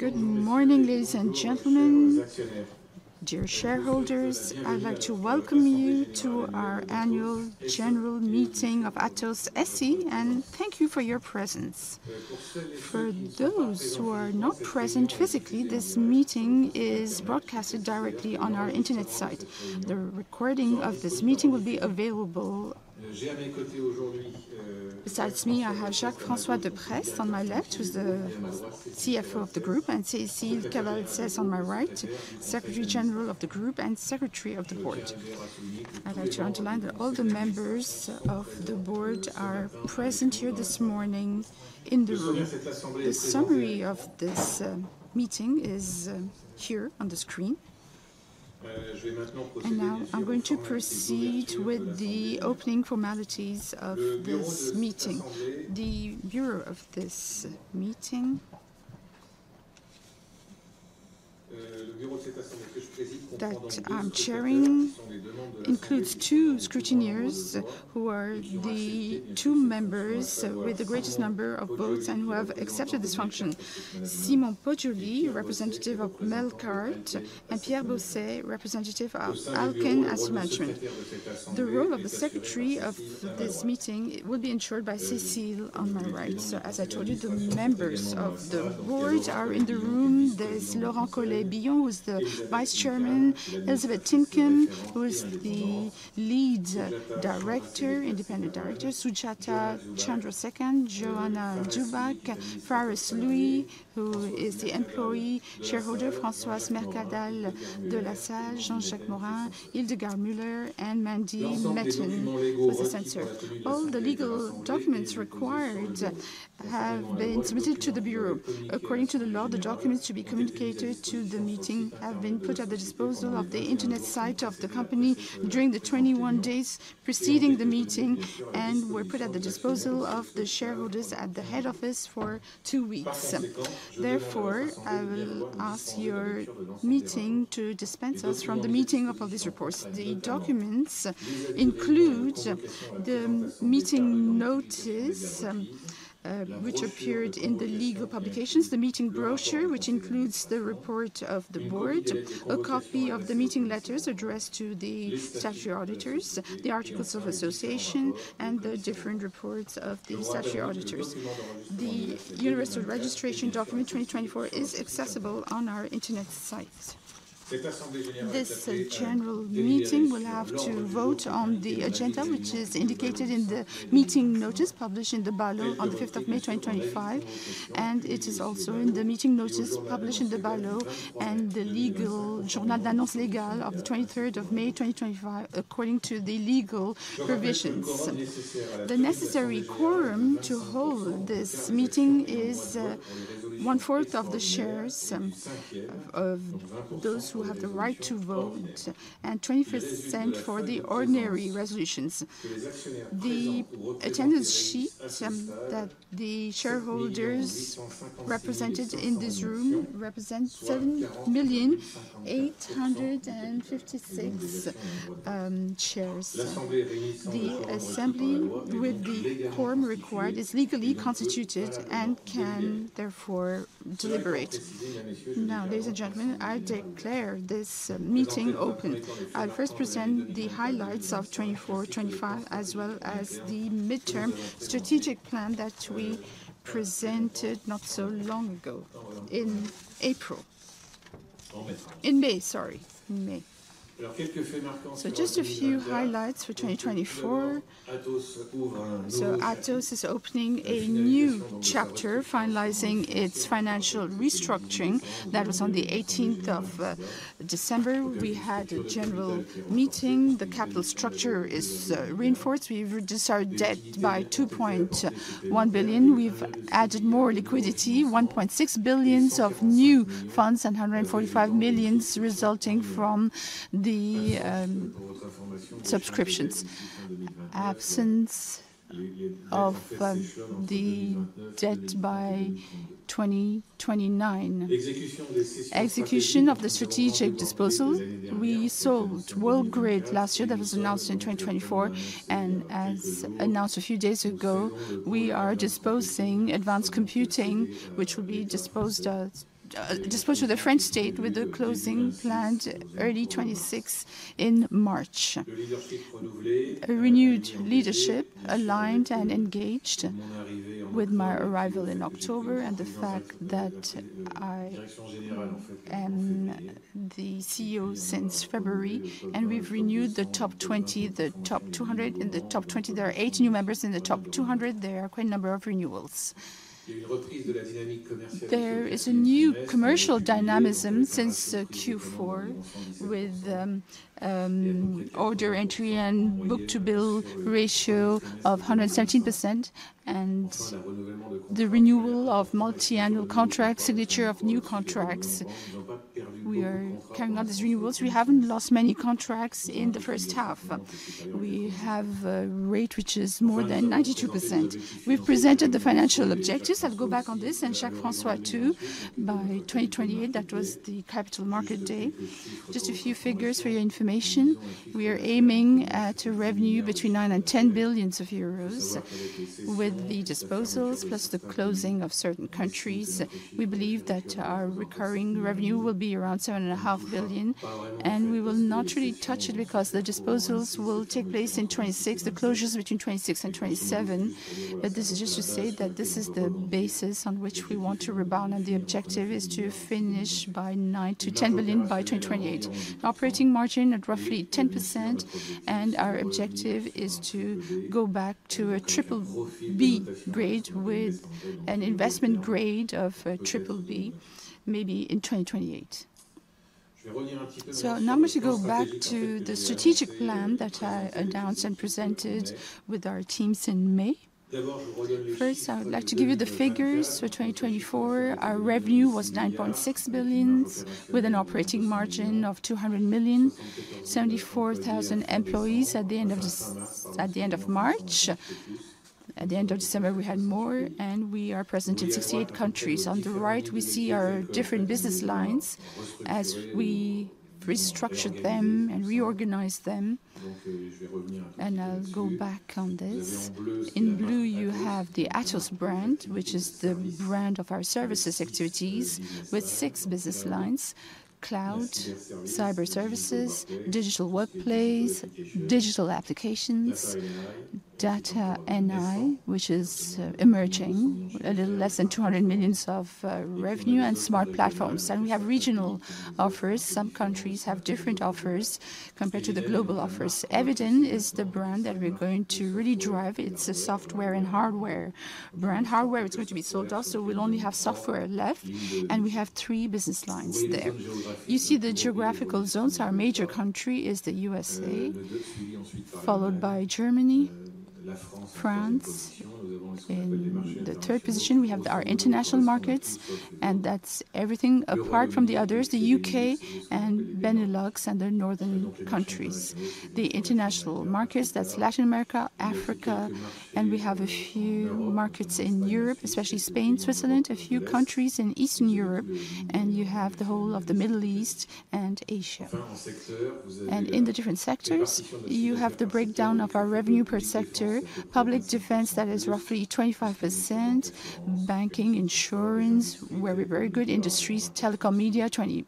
Good morning, ladies and gentlemen. Dear shareholders, I'd like to welcome you to our annual general meeting of Atos SE, and thank you for your presence. For those who are not present physically, this meeting is broadcast directly on our internet site. The recording of this meeting will be available. Besides me, I have Jacques-François de Prest, on my left, who is the CFO of the group, and Cécile Cabal-Séz, on my right, Secretary General of the group and Secretary of the board. I'd like to underline that all the members of the board are present here this morning in the room. The summary of this meeting is here on the screen. Now I'm going to proceed with the opening formalities of this meeting. The bureau of this meeting. That I'm chairing includes two scrutineers who are the two members with the greatest number of votes and who have accepted this function: Simon Poirier, representative of Melqart, and Pierre Bosset, representative of Alken Asset Management. The role of the secretary of this meeting will be ensured by Cécile on my right. As I told you, the members of the board are in the room. There's Laurent Collet-Billon, who's the Vice Chairman, Elizabeth Tinkham, who is the Lead Independent Director, Sujatha Chandrasekhan, Joanna Dubak, Farris Louis, who is the employee shareholder, Françoise Mercadal de la Salle, Jean-Jacques Morin, Hildegarde Müller, and Mandy Metten, who is the Censor. All the legal documents required have been submitted to the bureau. According to the law, the documents to be communicated to the meeting have been put at the disposal of the internet site of the company during the 21 days preceding the meeting and were put at the disposal of the shareholders at the head office for two weeks. Therefore, I will ask your meeting to dispense us from the reading of all these reports. The documents include the meeting notice, which appeared in the legal publications, the meeting brochure, which includes the report of the board, a copy of the meeting letters addressed to the statutory auditors, the articles of association, and the different reports of the statutory auditors. The universal registration document 2024 is accessible on our internet site. This general meeting will have to vote on the agenda, which is indicated in the meeting notice published in the ballot on the 5th of May 2025, and it is also in the meeting notice published in the ballot and the legal journal d'Annonce Légale of the 23rd of May 2025, according to the legal provisions. The necessary quorum to hold this meeting is one-fourth of the shares of those who have the right to vote and 25% for the ordinary resolutions. The attendance sheet that the shareholders represented in this room represents 7,856 shares. The assembly with the quorum required is legally constituted and can therefore deliberate. Now, ladies and gentlemen, I declare this meeting open. I'll first present the highlights of 24-25, as well as the midterm strategic plan that we presented not so long ago in May. Just a few highlights for 2024. Atos is opening a new chapter, finalizing its financial restructuring. That was on the 18th of December. We had a general meeting. The capital structure is reinforced. We've reduced our debt by €2.1 billion. We've added more liquidity, €1.6 billion of new funds and €145 million resulting from the subscriptions. Absence of the debt by 2029. Execution of the strategic disposal. We sold WorldGrid last year. That was announced in 2024. As announced a few days ago, we are disposing advanced computing, which will be disposed with the French state with the closing planned early 2026 in March. Renewed leadership, aligned and engaged with my arrival in October and the fact that I am the CEO since February. We've renewed the top 20, the top 200, and the top 20. There are eight new members in the top 200. There are quite a number of renewals. There is a new commercial dynamism since Q4 with order entry and book-to-bill ratio of 117% and the renewal of multi-annual contracts, signature of new contracts. We are carrying on these renewals. We haven't lost many contracts in the first half. We have a rate which is more than 92%. We've presented the financial objectives. I'll go back on this and Jacques-François too. By 2028, that was the capital market day. Just a few figures for your information. We are aiming to revenue between €9 and €10 billion with the disposals plus the closing of certain countries. We believe that our recurring revenue will be around €7.5 billion, and we will not really touch it because the disposals will take place in 2026, the closures between 2026 and 2027. This is just to say that this is the basis on which we want to rebound, and the objective is to finish by $9 to $10 billion by 2028. Operating margin at roughly 10%, and our objective is to go back to a triple B grade with an investment grade of triple B maybe in 2028. I'm going to go back to the strategic plan that I announced and presented with our teams in May. First, I would like to give you the figures for 2024. Our revenue was $9.6 billion with an operating margin of $200 million, 74,000 employees at the end of March. At the end of December, we had more, and we are present in 68 countries. On the right, we see our different business lines as we restructured them and reorganized them, and I'll go back on this. In blue, you have the Atos brand, which is the brand of our services activities with six business lines: cloud, cyber services, digital workplace, digital applications, data and AI, which is emerging a little less than $200 million of revenue, and smart platforms. We have regional offers. Some countries have different offers compared to the global offers. Eviden is the brand that we're going to really drive. It's a software and hardware brand. Hardware, it's going to be sold off, so we'll only have software left, and we have three business lines there. You see the geographical zones. Our major country is the USA, followed by Germany, France. In the third position, we have our international markets, and that's everything apart from the others, the UK and Benelux and the northern countries. The international markets, that's Latin America, Africa, and we have a few markets in Europe, especially Spain, Switzerland, a few countries in Eastern Europe, and you have the whole of the Middle East and Asia. In the different sectors, you have the breakdown of our revenue per sector. Public defense, that is roughly 25%. Banking, insurance, very good industries, telecom, media, 20%,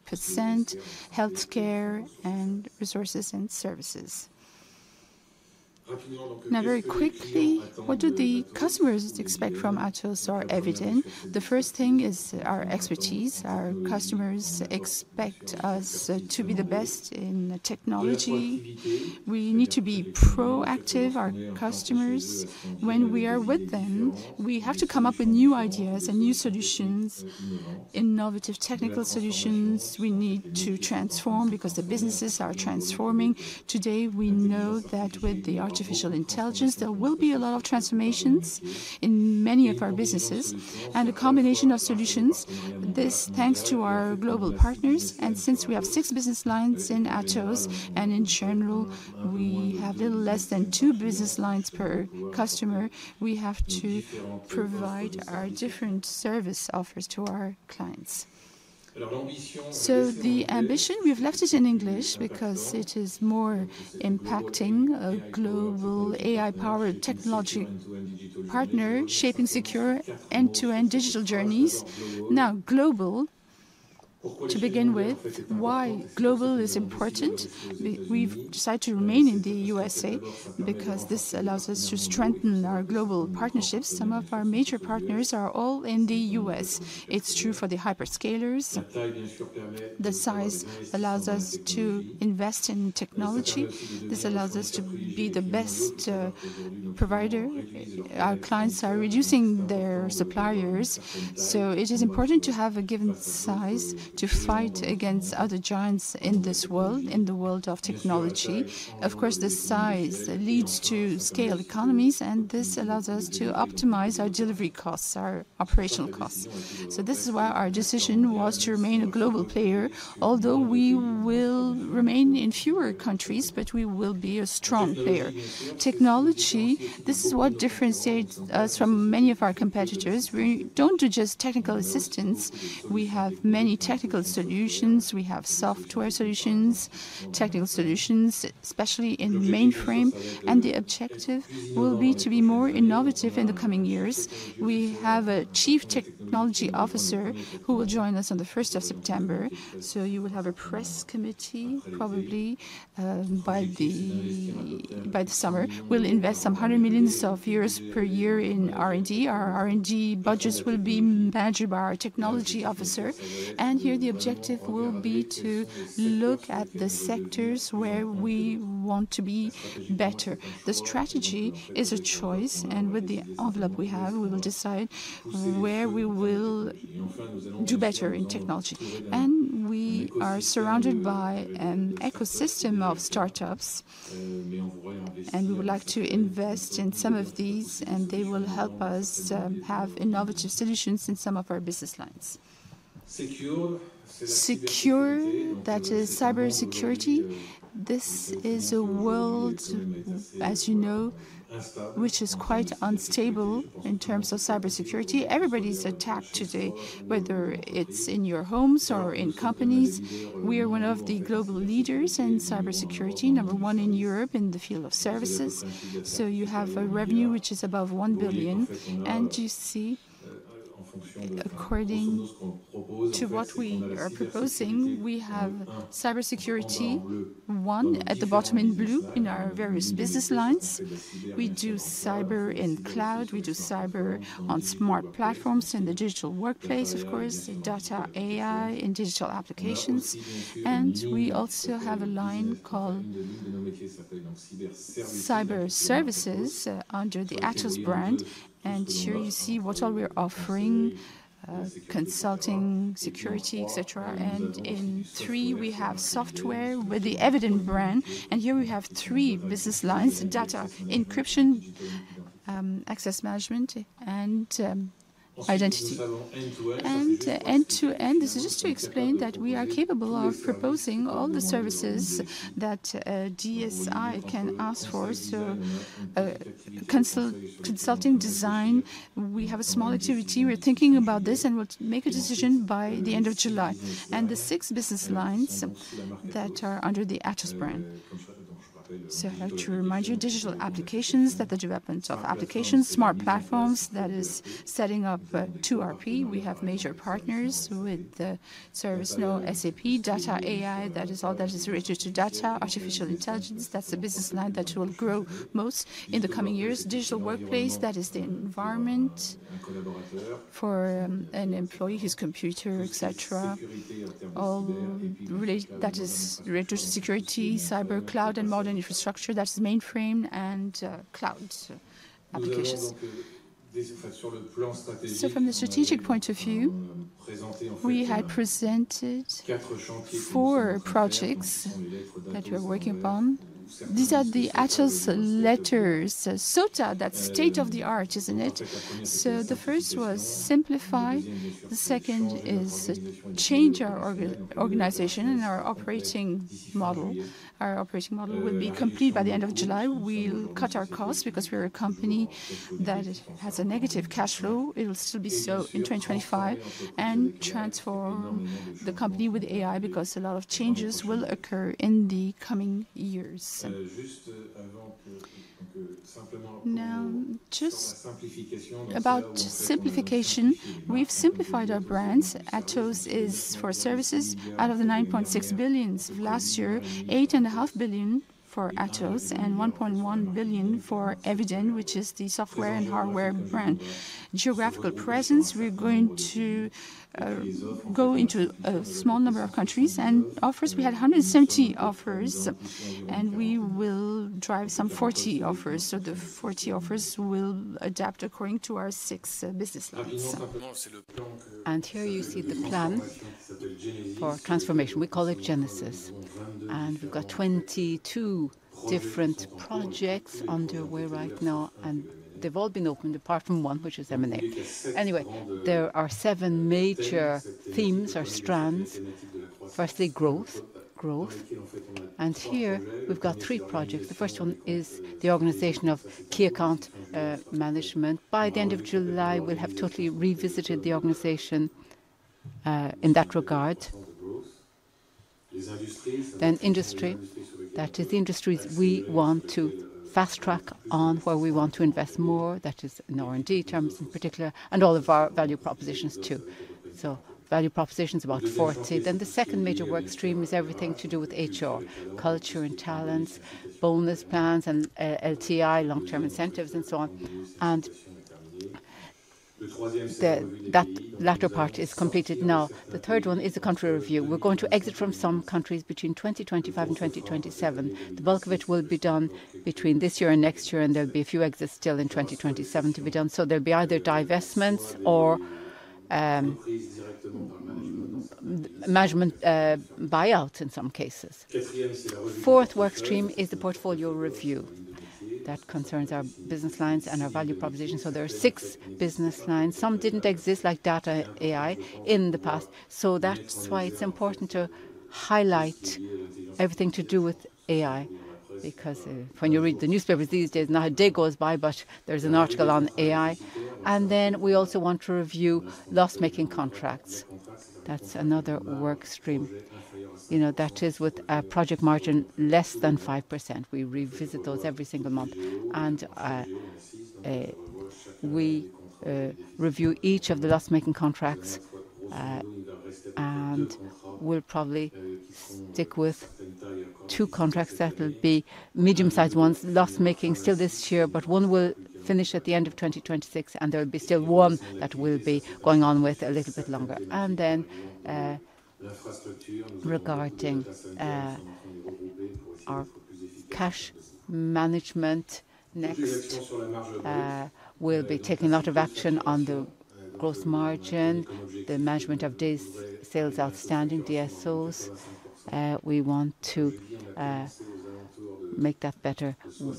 healthcare and resources and services. Now, very quickly, what do the customers expect from Atos or Eviden? The first thing is our expertise. Our customers expect us to be the best in technology. We need to be proactive. Our customers, when we are with them, we have to come up with new ideas and new solutions, innovative technical solutions. We need to transform because the businesses are transforming. Today, we know that with artificial intelligence, there will be a lot of transformations in many of our businesses and a combination of solutions. This is thanks to our global partners. Since we have six business lines in Atos and in general, we have a little less than two business lines per customer, we have to provide our different service offers to our clients. The ambition, we've left it in English because it is more impacting: a global AI-powered technology partner shaping secure end-to-end digital journeys. Now, global to begin with, why is global important? We've decided to remain in the USA because this allows us to strengthen our global partnerships. Some of our major partners are all in the US. It's true for the hyperscalers. The size allows us to invest in technology. This allows us to be the best provider. Our clients are reducing their suppliers. It is important to have a given size to fight against other giants in this world, in the world of technology. Of course, the size leads to scale economies, and this allows us to optimize our delivery costs, our operational costs. This is why our decision was to remain a global player, although we will remain in fewer countries, but we will be a strong player. Technology, this is what differentiates us from many of our competitors. We don't do just technical assistance. We have many technical solutions. We have software solutions, technical solutions, especially in mainframe. The objective will be to be more innovative in the coming years. We have a Chief Technology Officer who will join us on the 1st of September. You will have a press committee probably by the summer. We'll invest some hundred millions of euros per year in R&D. Our R&D budgets will be managed by our Technology Officer. Here, the objective will be to look at the sectors where we want to be better. The strategy is a choice, and with the envelope we have, we will decide where we will do better in technology. We are surrounded by an ecosystem of startups, and we would like to invest in some of these, and they will help us have innovative solutions in some of our business lines. Secure, that is cybersecurity. This is a world, as you know, which is quite unstable in terms of cybersecurity. Everybody's attacked today, whether it's in your homes or in companies. We are one of the global leaders in cybersecurity, number one in Europe in the field of services. So you have a revenue which is above $1 billion. You see, according to what we are proposing, we have cybersecurity one at the bottom in blue in our various business lines. We do cyber in cloud. We do cyber on smart platforms in the digital workplace, of course, data AI in digital applications. We also have a line called cyber services under the Atos brand. Here you see what all we're offering: consulting, security, etc. In three, we have software with the Eviden brand. Here we have three business lines: data encryption, access management, and identity. End to end, this is just to explain that we are capable of proposing all the services that DSI can ask for. So consulting design, we have a small activity. We're thinking about this and will make a decision by the end of July. The six business lines that are under the Atos brand. I'd like to remind you, digital applications, that the development of applications, smart platforms, that is setting up ERP. We have major partners with ServiceNow, SAP, data AI, that is all that is related to data, artificial intelligence. That's the business line that will grow most in the coming years. Digital workplace, that is the environment for an employee, his computer, etc. All related, that is related to security, cyber, cloud, and modern infrastructure. That's mainframe and cloud applications. From the strategic point of view, we had presented four projects that we're working upon. These are the Atos letters. SOTA, that's state of the art, isn't it? The first was simplify. The second is change our organization and our operating model. Our operating model will be complete by the end of July. We'll cut our costs because we're a company that has a negative cash flow. It will still be so in 2025 and transform the company with AI because a lot of changes will occur in the coming years. Now, just about simplification, we've simplified our brands. Atos is for services. Out of the $9.6 billion last year, $8.5 billion for Atos and $1.1 billion for Eviden, which is the software and hardware brand. Geographical presence, we're going to go into a small number of countries and offers. We had 170 offers, and we will drive some 40 offers. So the 40 offers will adapt according to our six business lines. Here you see the plan for transformation. We call it Genesis. We've got 22 different projects underway right now, and they've all been opened apart from one, which is M&A. Anyway, there are seven major themes or strands. Firstly, growth. Growth. Here, we've got three projects. The first one is the organization of key account management. By the end of July, we'll have totally revisited the organization in that regard. Industry, that is the industries we want to fast track on where we want to invest more, that is in R&D terms in particular, and all of our value propositions too. Value proposition is about 40. The second major workstream is everything to do with HR, culture and talents, bonus plans and LTI, long-term incentives and so on. That latter part is completed now. The third one is a country review. We're going to exit from some countries between 2025 and 2027. The bulk of it will be done between this year and next year, and there will be a few exits still in 2027 to be done. There will be either divestments or management buyouts in some cases. Fourth workstream is the portfolio review that concerns our business lines and our value proposition. There are six business lines. Some didn't exist like data AI in the past. That's why it's important to highlight everything to do with AI because when you read the newspapers these days, not a day goes by but there's an article on AI. We also want to review loss-making contracts. That's another workstream. That is with a project margin less than 5%. We revisit those every single month. We review each of the loss-making contracts and will probably stick with two contracts that will be medium-sized ones, loss-making still this year, but one will finish at the end of 2026, and there will be still one that will be going on with a little bit longer. Regarding our cash management, we will be taking a lot of action on the gross margin, the management of days sales outstanding, DSOs. We want to make that better.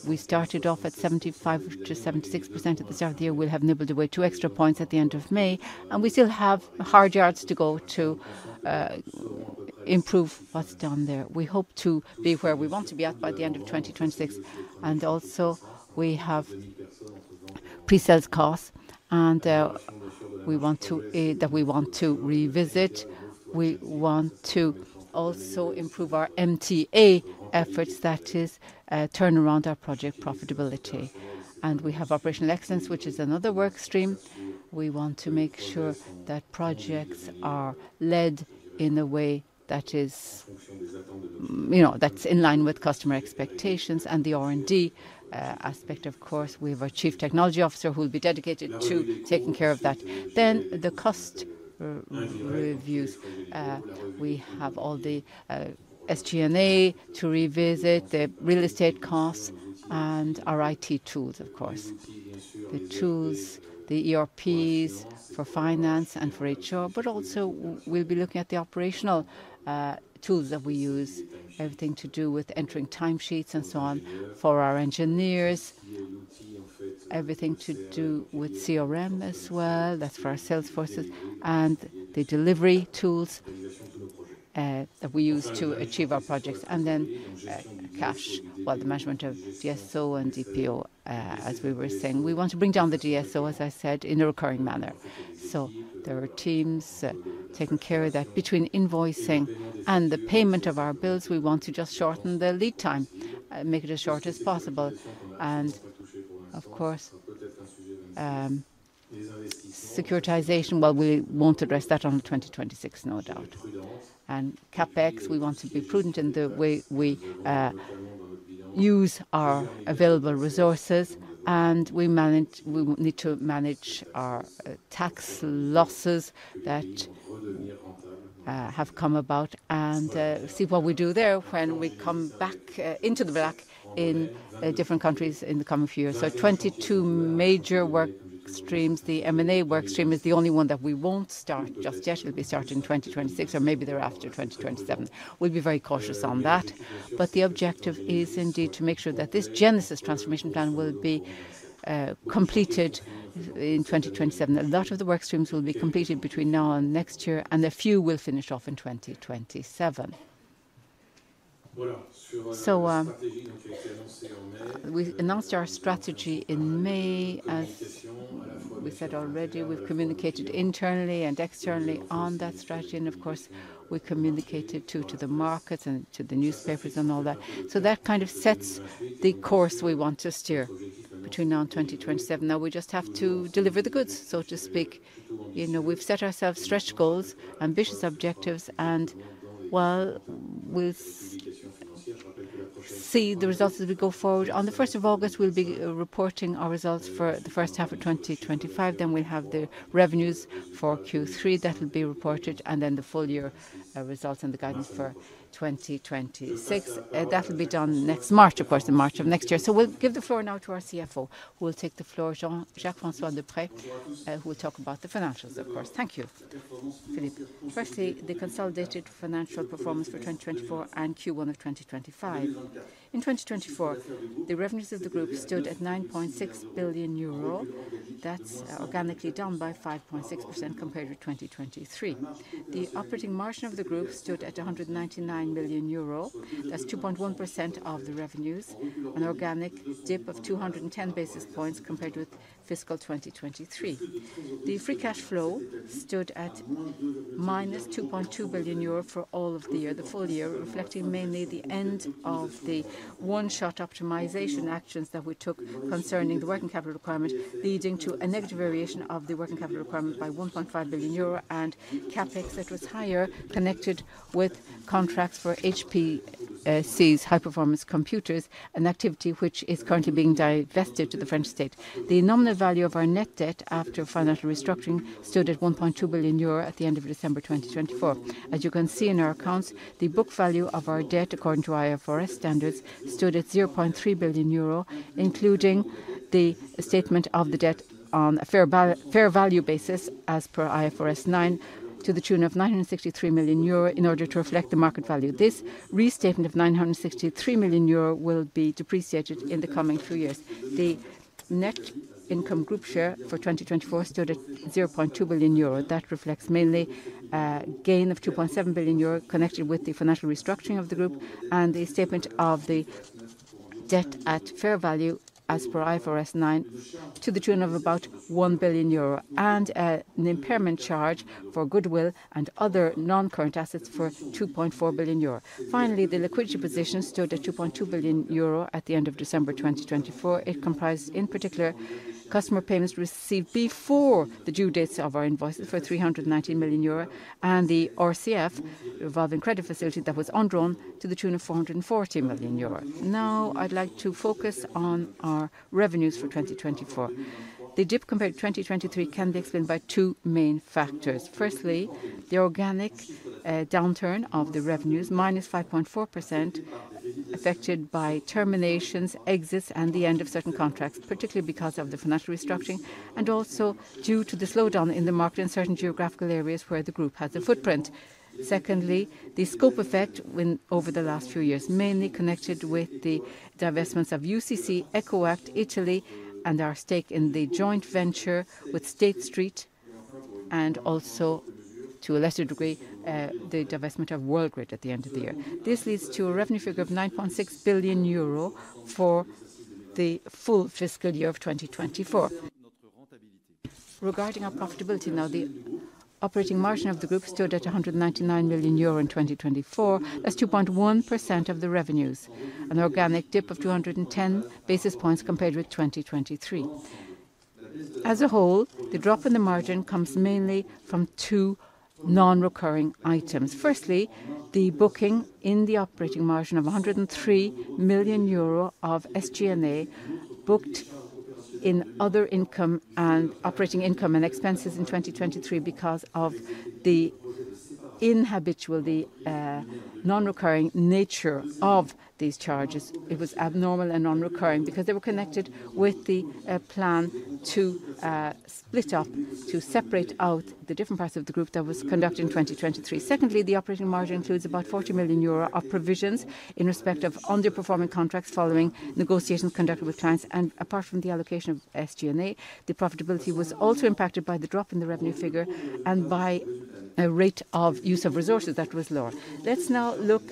We started off at 75% to 76% at the start of the year. We will have nibbled away two extra points at the end of May, and we still have hard yards to go to improve what's done there. We hope to be where we want to be by the end of 2026. We have pre-sales costs, and we want to revisit. We want to also improve our MTA efforts, that is, turn around our project profitability. We have operational excellence, which is another workstream. We want to make sure that projects are led in a way that is in line with customer expectations and the R&D aspect. Of course, we have a Chief Technology Officer who will be dedicated to taking care of that. Then the cost reviews. We have all the SG&A to revisit, the real estate costs, and our IT tools, of course. The tools, the ERPs for finance and for HR, but also we'll be looking at the operational tools that we use, everything to do with entering timesheets and so on for our engineers, everything to do with CRM as well. That's for our sales forces. And the delivery tools that we use to achieve our projects. And then cash, well, the management of DSO and DPO, as we were saying. We want to bring down the DSO, as I said, in a recurring manner. So there are teams taking care of that between invoicing and the payment of our bills. We want to just shorten the lead time, make it as short as possible. And of course, securitization, well, we won't address that on 2026, no doubt. And CapEx, we want to be prudent in the way we use our available resources. We need to manage our tax losses that have come about and see what we do there when we come back into the black in different countries in the coming few years. So 22 major workstreams. The M&A workstream is the only one that we won't start just yet. It'll be started in 2026 or maybe thereafter, 2027. We'll be very cautious on that. But the objective is indeed to make sure that this Genesis transformation plan will be completed in 2027. A lot of the workstreams will be completed between now and next year, and a few will finish off in 2027. We announced our strategy in May. We said already we've communicated internally and externally on that strategy. Of course, we communicated too to the markets and to the newspapers and all that. That kind of sets the course we want to steer between now and 2027. Now we just have to deliver the goods, so to speak. We've set ourselves stretch goals, ambitious objectives, and well, we'll see the results as we go forward. On the 1st of August, we'll be reporting our results for the first half of 2025. Then we'll have the revenues for Q3 that will be reported, and then the full year results and the guidance for 2026. That will be done next March, of course, in March of next year. We'll give the floor now to our CFO, who will take the floor, Jean-Jacques François de Prest, who will talk about the financials, Of course. Thank you, Philippe. Firstly, the consolidated financial performance for 2024 and Q1 of 2025. In 2024, the revenues of the group stood at €9.6 billion. That's organically down by 5.6% compared to 2023. The operating margin of the group stood at €199 million. That's 2.1% of the revenues, an organic dip of 210 basis points compared with fiscal 2023. The free cash flow stood at minus €2.2 billion for all of the year, the full year, reflecting mainly the end of the one-shot optimization actions that we took concerning the working capital requirement, leading to a negative variation of the working capital requirement by €1.5 billion and CapEx that was higher, connected with contracts for HPCs, high-performance computers, an activity which is currently being divested to the French state. The nominal value of our net debt after financial restructuring stood at €1.2 billion at the end of December 2024. As you can see in our accounts, the book value of our debt, according to IFRS standards, stood at €0.3 billion, including the statement of the debt on a fair value basis as per IFRS 9 to the tune of €963 million in order to reflect the market value. This restatement of €963 million will be depreciated in the coming few years. The net income group share for 2024 stood at €0.2 billion. That reflects mainly a gain of €2.7 billion connected with the financial restructuring of the group and the statement of the debt at fair value as per IFRS 9 to the tune of about €1 billion and an impairment charge for goodwill and other non-current assets for €2.4 billion. Finally, the liquidity position stood at €2.2 billion at the end of December 2024. It comprised in particular customer payments received before the due dates of our invoices for €319 million and the RCF, revolving credit facility that was undrawn to the tune of €440 million. I'd like to focus on our revenues for 2024. The dip compared to 2023 can be explained by two main factors. Firstly, the organic downturn of the revenues, minus 5.4%, affected by terminations, exits, and the end of certain contracts, particularly because of the financial restructuring and also due to the slowdown in the market in certain geographical areas where the group has a footprint. Secondly, the scope effect over the last few years, mainly connected with the divestments of UCC, ECOAC, Italy, and our stake in the joint venture with State Street and also, to a lesser degree, the divestment of World Grid at the end of the year. This leads to a revenue figure of €9.6 billion for the full fiscal year of 2024. Regarding our profitability now, the operating margin of the group stood at €199 million in 2024, that's 2.1% of the revenues, an organic dip of 210 basis points compared with 2023. As a whole, the drop in the margin comes mainly from two non-recurring items. Firstly, the booking in the operating margin of €103 million of SG&A booked in other income and operating income and expenses in 2023 because of the unusual, the non-recurring nature of these charges. It was abnormal and non-recurring because they were connected with the plan to split up, to separate out the different parts of the group that was conducted in 2023. Secondly, the operating margin includes about €40 million of provisions in respect of underperforming contracts following negotiations conducted with clients. Apart from the allocation of SG&A, the profitability was also impacted by the drop in the revenue figure and by a rate of use of resources that was lower. Let's now look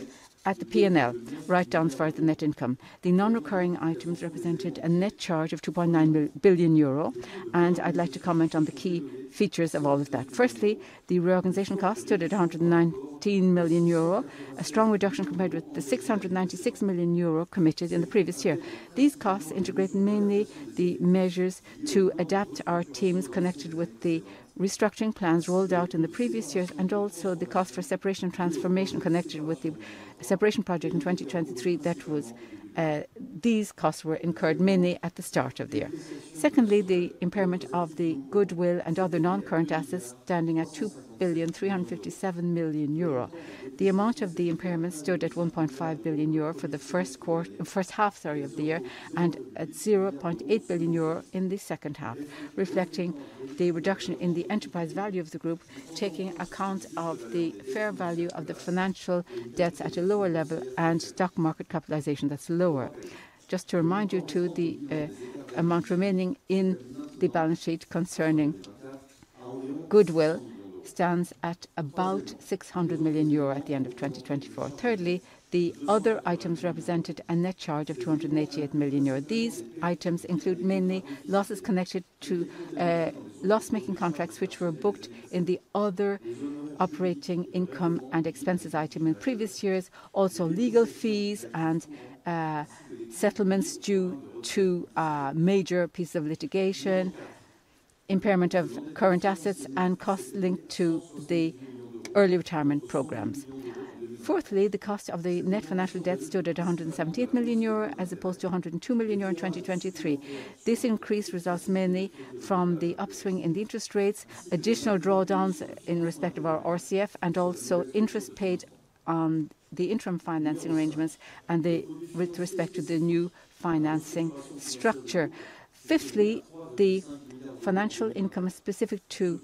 at the P&L, right down to the net income. The non-recurring items represented a net charge of €2.9 billion, and I'd like to comment on the key features of all of that. Firstly, the reorganization cost stood at €119 million, a strong reduction compared with the €696 million committed in the previous year. These costs integrate mainly the measures to adapt our teams connected with the restructuring plans rolled out in the previous year and also the cost for separation and transformation connected with the separation project in 2023. These costs were incurred mainly at the start of the year. Secondly, the impairment of the goodwill and other non-current assets standing at €2,357 million. The amount of the impairment stood at €1.5 billion for the first half of the year and at €0.8 billion in the second half, reflecting the reduction in the enterprise value of the group, taking account of the fair value of the financial debts at a lower level and stock market capitalization that's lower. Just to remind you too, the amount remaining in the balance sheet concerning goodwill stands at about €600 million at the end of 2024. Thirdly, the other items represented a net charge of €288 million. These items include mainly losses connected to loss-making contracts which were booked in the other operating income and expenses item in previous years, also legal fees and settlements due to major pieces of litigation, impairment of current assets, and costs linked to the early retirement programs. Fourthly, the cost of the net financial debt stood at €117 million as opposed to €102 million in 2023. This increase results mainly from the upswing in the interest rates, additional drawdowns in respect of our RCF, and also interest paid on the interim financing arrangements with respect to the new financing structure. Fifthly, the financial income specific to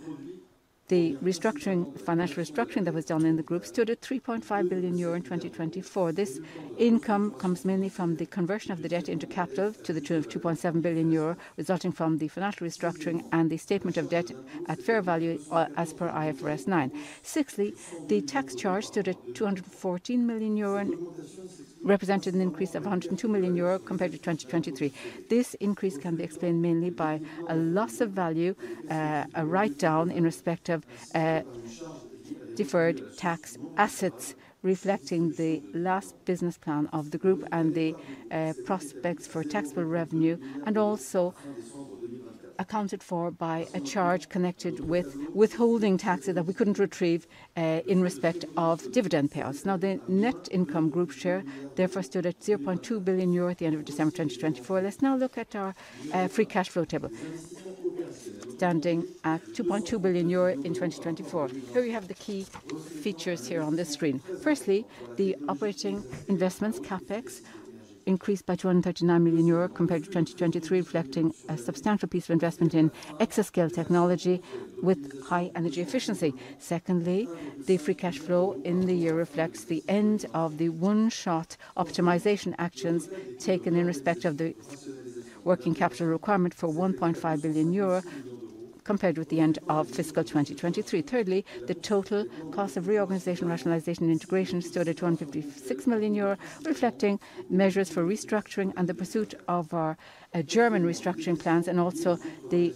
the restructuring, financial restructuring that was done in the group stood at €3.5 billion in 2024. This income comes mainly from the conversion of the debt into capital to the tune of €2.7 billion, resulting from the financial restructuring and the statement of debt at fair value as per IFRS 9. Sixthly, the tax charge stood at €214 million, representing an increase of €102 million compared to 2023. This increase can be explained mainly by a loss of value, a write-down in respect of deferred tax assets reflecting the last business plan of the group and the prospects for taxable revenue, and also accounted for by a charge connected with withholding taxes that we couldn't retrieve in respect of dividend payouts. The net income group share therefore stood at €0.2 billion at the end of December 2024. Let's now look at our free cash flow table standing at €2.2 billion in 2024. Here we have the key features here on the screen. Firstly, the operating investments, CapEx, increased by €239 million compared to 2023, reflecting a substantial piece of investment in exascale technology with high energy efficiency. Secondly, the free cash flow in the year reflects the end of the one-shot optimization actions taken in respect of the working capital requirement for €1.5 billion compared with the end of fiscal 2023. Thirdly, the total cost of reorganization, rationalization, and integration stood at €256 million, reflecting measures for restructuring and the pursuit of our German restructuring plans, and also the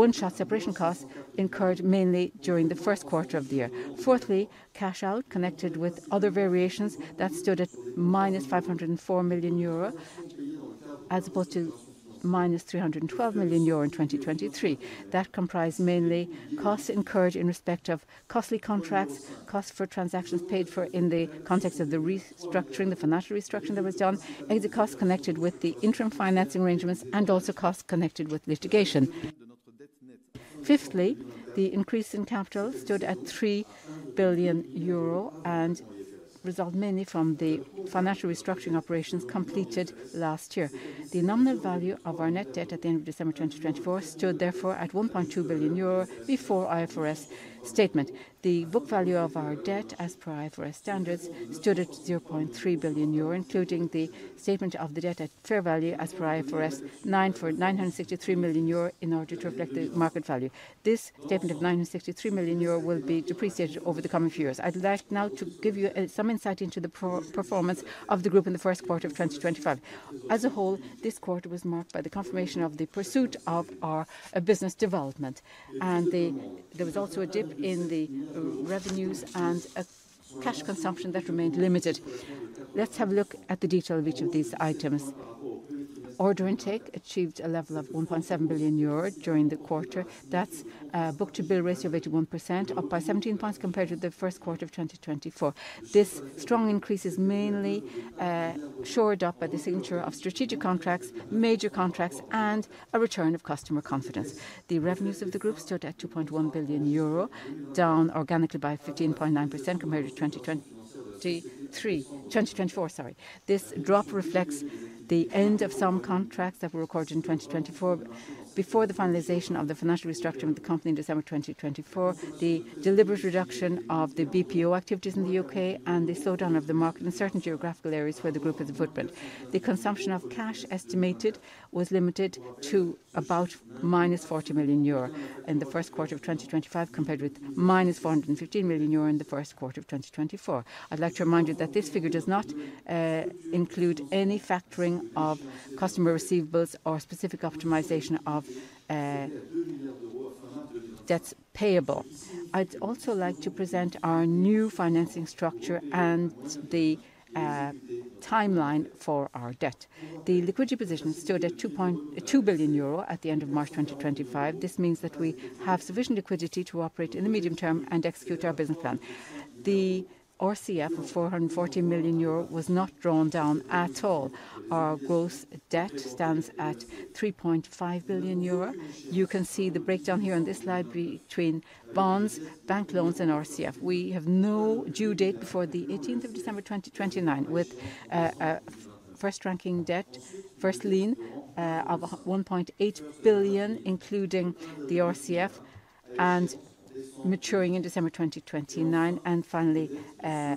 one-shot separation costs incurred mainly during the first quarter of the year. Fourthly, cash out connected with other variations that stood at minus €504 million as opposed to minus €312 million in 2023. That comprised mainly costs incurred in respect of costly contracts, costs for transactions paid for in the context of the restructuring, the financial restructuring that was done, and the costs connected with the interim financing arrangements and also costs connected with litigation. Fifthly, the increase in capital stood at €3 billion and resulted mainly from the financial restructuring operations completed last year. The nominal value of our net debt at the end of December 2024 stood therefore at €1.2 billion before IFRS statement. The book value of our debt as per IFRS standards stood at €0.3 billion, including the statement of the debt at fair value as per IFRS 9 for €963 million in order to reflect the market value. This statement of €963 million will be depreciated over the coming few years. I'd like now to give you some insight into the performance of the group in the first quarter of 2025. As a whole, this quarter was marked by the confirmation of the pursuit of our business development, and there was also a dip in the revenues and cash consumption that remained limited. Let's have a look at the detail of each of these items. Order intake achieved a level of €1.7 billion during the quarter. That's a book-to-bill ratio of 81%, up by 17 points compared with the first quarter of 2024. This strong increase is mainly shored up by the signature of strategic contracts, major contracts, and a return of customer confidence. The revenues of the group stood at €2.1 billion, down organically by 15.9% compared to 2023. This drop reflects the end of some contracts that were recorded in 2024 before the finalization of the financial restructuring of the company in December 2024, the deliberate reduction of the BPO activities in the UK, and the slowdown of the market in certain geographical areas where the group has a footprint. The consumption of cash estimated was limited to about minus €40 million in the first quarter of 2025 compared with minus €415 million in the first quarter of 2024. I'd like to remind you that this figure does not include any factoring of customer receivables or specific optimization of debts payable. I'd also like to present our new financing structure and the timeline for our debt. The liquidity position stood at €2.2 billion at the end of March 2025. This means that we have sufficient liquidity to operate in the medium term and execute our business plan. The RCF of €440 million was not drawn down at all. Our gross debt stands at €3.5 billion. You can see the breakdown here on this slide between bonds, bank loans, and RCF. We have no due date before the 18th of December 2029, with a first-ranking debt, first lien of €1.8 billion, including the RCF, and maturing in December 2029, and finally a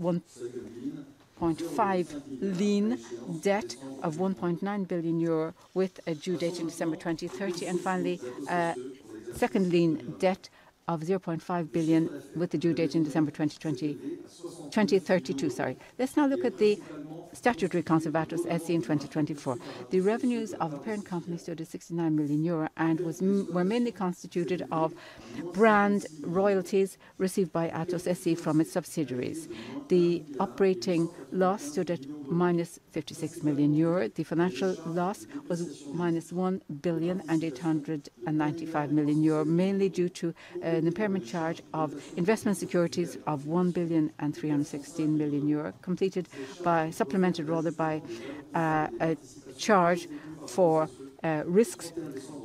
1.5 lien debt of €1.9 billion with a due date in December 2030, and finally a second lien debt of €0.5 billion with a due date in December 2032. Let's now look at the statutory accounts of Atos SC in 2024. The revenues of the parent company stood at €69 million and were mainly constituted of brand royalties received by Atos SC from its subsidiaries. The operating loss stood at minus €56 million. The financial loss was minus €1.895 billion, mainly due to an impairment charge of investment securities of €1.316 billion, supplemented by a charge for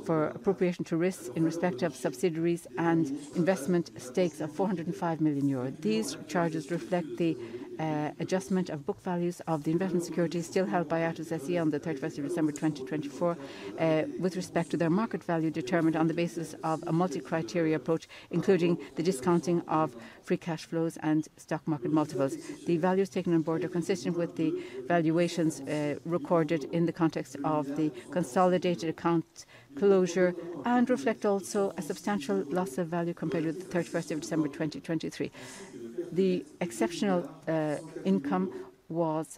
appropriation to risks in respect of subsidiaries and investment stakes of €405 million. These charges reflect the adjustment of book values of the investment securities still held by Atos SC on December 31st, 2024 with respect to their market value determined on the basis of a multi-criteria approach, including the discounting of free cash flows and stock market multiples. The values taken on board are consistent with the valuations recorded in the context of the consolidated account closure and reflect also a substantial loss of value compared with December 31st, 2023. The exceptional result was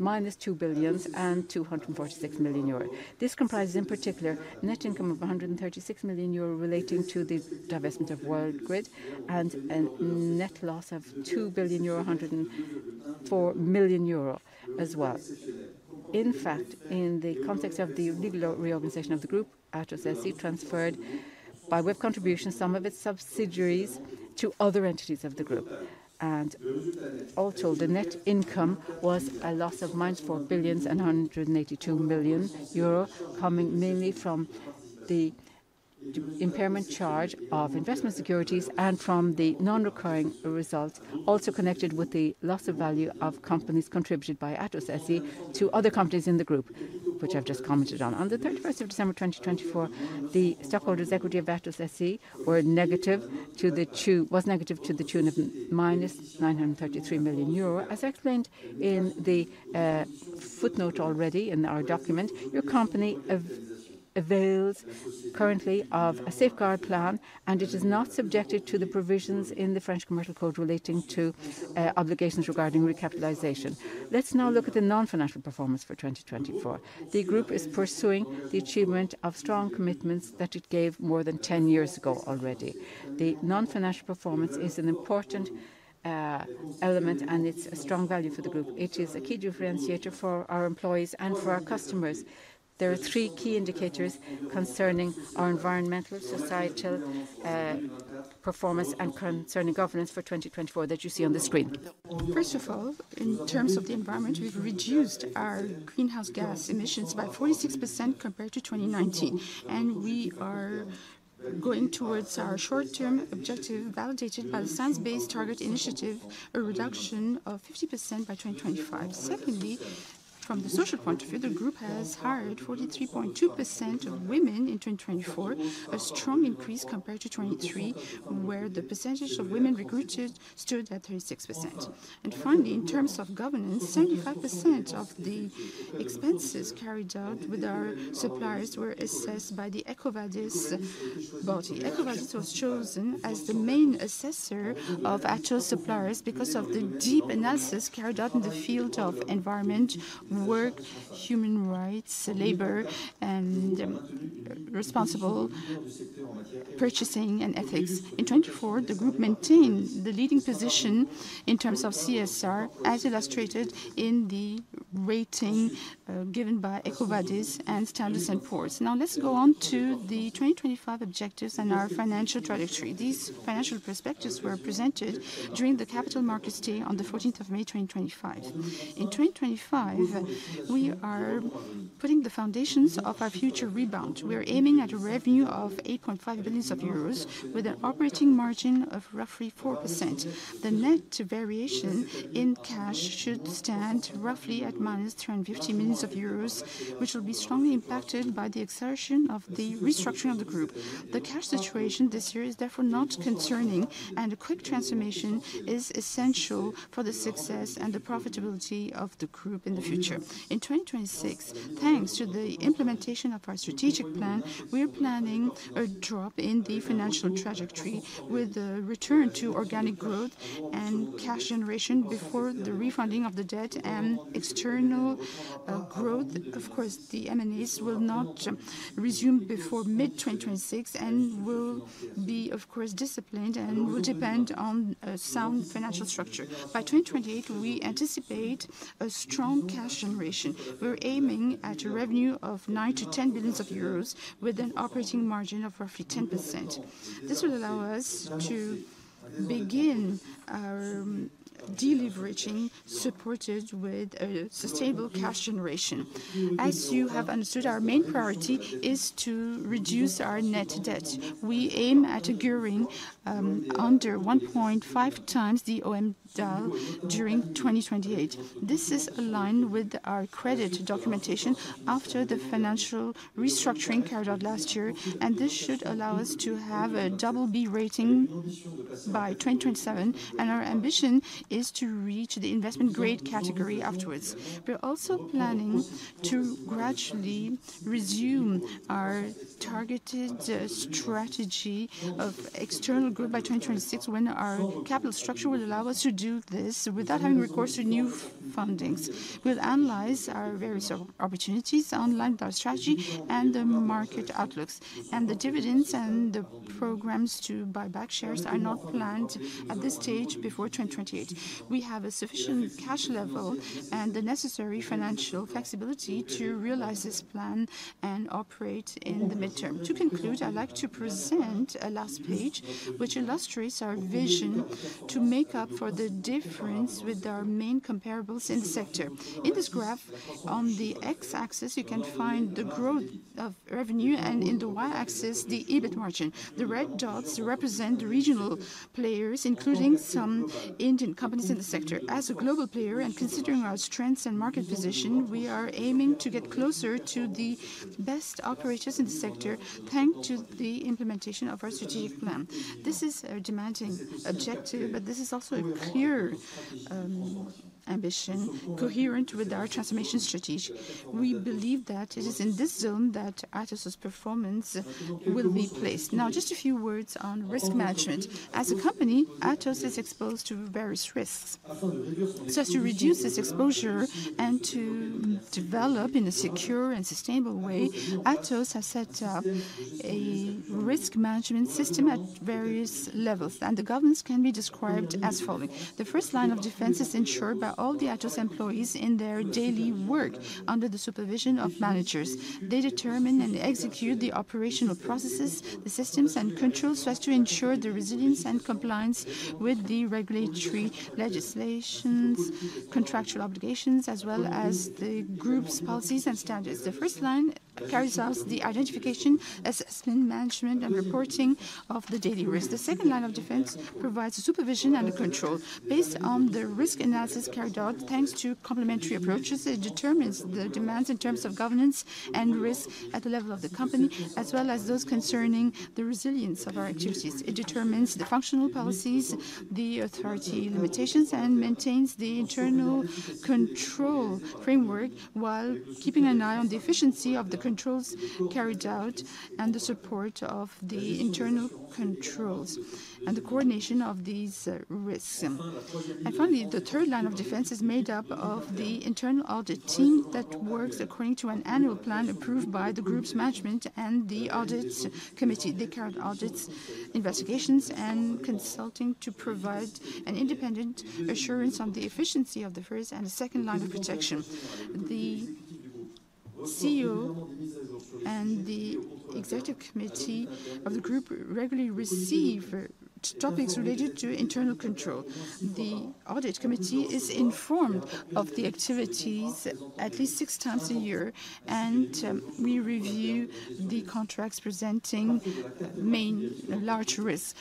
minus €2.246 billion. This comprises in particular net income of €136 million relating to the divestment of World Grid and a net loss of €2.104 billion as well. In fact, in the context of the legal reorganization of the group, Atos SC transferred by web contributions some of its subsidiaries to other entities of the group. Although the net income was a loss of minus €4.182 billion, coming mainly from the impairment charge of investment securities and from the non-recurring results, also connected with the loss of value of companies contributed by Atos SC to other companies in the group, which I've just commented on. On December 31st, 2024, the stockholders' equity of Atos SC was negative to the tune of minus €933 million. As I explained in the footnote already in our document, your company avails currently of a safeguard plan, and it is not subjected to the provisions in the French commercial code relating to obligations regarding recapitalization. Let's now look at the non-financial performance for 2024. The group is pursuing the achievement of strong commitments that it gave more than 10 years ago already. The non-financial performance is an important element, and it's a strong value for the group. It is a key differentiator for our employees and for our customers. There are three key indicators concerning our environmental, societal performance, and concerning governance for 2024 that you see on the screen. First of all, in terms of the environment, we've reduced our greenhouse gas emissions by 46% compared to 2019, and we are going towards our short-term objective validated by the Science-Based Target Initiative, a reduction of 50% by 2025. Secondly, from the social point of view, the group has hired 43.2% of women in 2024, a strong increase compared to 2023, where the percentage of women recruited stood at 36%. Finally, in terms of governance, 75% of the expenses carried out with our suppliers were assessed by the Ecovadis board. Ecovadis was chosen as the main assessor of actual suppliers because of the deep analysis carried out in the field of environment, work, human rights, labor, and responsible purchasing and ethics. In 2024, the group maintained the leading position in terms of CSR, as illustrated in the rating given by Ecovadis and Standards and Ports. Now, let's go on to the 2025 objectives and our financial trajectory. These financial perspectives were presented during the capital markets day on the 14th of May 2025. In 2025, we are putting the foundations of our future rebound. We are aiming at a revenue of €8.5 billion with an operating margin of roughly 4%. The net variation in cash should stand roughly at minus €350 million, which will be strongly impacted by the acceleration of the restructuring of the group. The cash situation this year is therefore not concerning, and a quick transformation is essential for the success and the profitability of the group in the future. In 2026, thanks to the implementation of our strategic plan, we are planning a drop in the financial trajectory with a return to organic growth and cash generation before the refunding of the debt and external growth. Of course, the M&As will not resume before mid-2026 and will be, of course, disciplined and will depend on a sound financial structure. By 2028, we anticipate a strong cash generation. We're aiming at a revenue of €9 to €10 billion with an operating margin of roughly 10%. This will allow us to begin our deleveraging, supported with sustainable cash generation. As you have understood, our main priority is to reduce our net debt. We aim at a gearing under 1.5 times the EBITDA during 2028. This is aligned with our credit documentation after the financial restructuring carried out last year, and this should allow us to have a double B rating by 2027, and our ambition is to reach the investment-grade category afterwards. We're also planning to gradually resume our targeted strategy of external growth by 2026 when our capital structure will allow us to do this without having recourse to new fundings. We'll analyze our various opportunities online with our strategy and the market outlooks. The dividends and the programs to buy back shares are not planned at this stage before 2028. We have a sufficient cash level and the necessary financial flexibility to realize this plan and operate in the midterm. To conclude, I'd like to present a last page, which illustrates our vision to make up for the difference with our main comparables in the sector. In this graph, on the X-axis, you can find the growth of revenue, and on the Y-axis, the EBIT margin. The red dots represent the regional players, including some Indian companies in the sector. As a global player, and considering our strengths and market position, we are aiming to get closer to the best operators in the sector, thanks to the implementation of our strategic plan. This is a demanding objective, but this is also a clear ambition coherent with our transformation strategy. We believe that it is in this zone that Atos's performance will be placed. Now, just a few words on risk management. As a company, Atos is exposed to various risks. So as to reduce this exposure and to develop in a secure and sustainable way, Atos has set up a risk management system at various levels, and the governance can be described as following. The first line of defense is ensured by all the Atos employees in their daily work under the supervision of managers. They determine and execute the operational processes, the systems, and controls so as to ensure the resilience and compliance with the regulatory legislations, contractual obligations, as well as the group's policies and standards. The first line carries out the identification, assessment, management, and reporting of the daily risk. The second line of defense provides supervision and control based on the risk analysis carried out, thanks to complementary approaches. It determines the demands in terms of governance and risk at the level of the company, as well as those concerning the resilience of our activities. It determines the functional policies, the authority limitations, and maintains the internal control framework while keeping an eye on the efficiency of the controls carried out and the support of the internal controls and the coordination of these risks. Finally, the third line of defense is made up of the internal audit team that works according to an annual plan approved by the group's management and the audit committee. They carry out audits, investigations, and consulting to provide an independent assurance on the efficiency of the first and the second line of protection. The CEO and the executive committee of the group regularly receive topics related to internal control. The audit committee is informed of the activities at least six times a year, and we review the contracts presenting main large risks.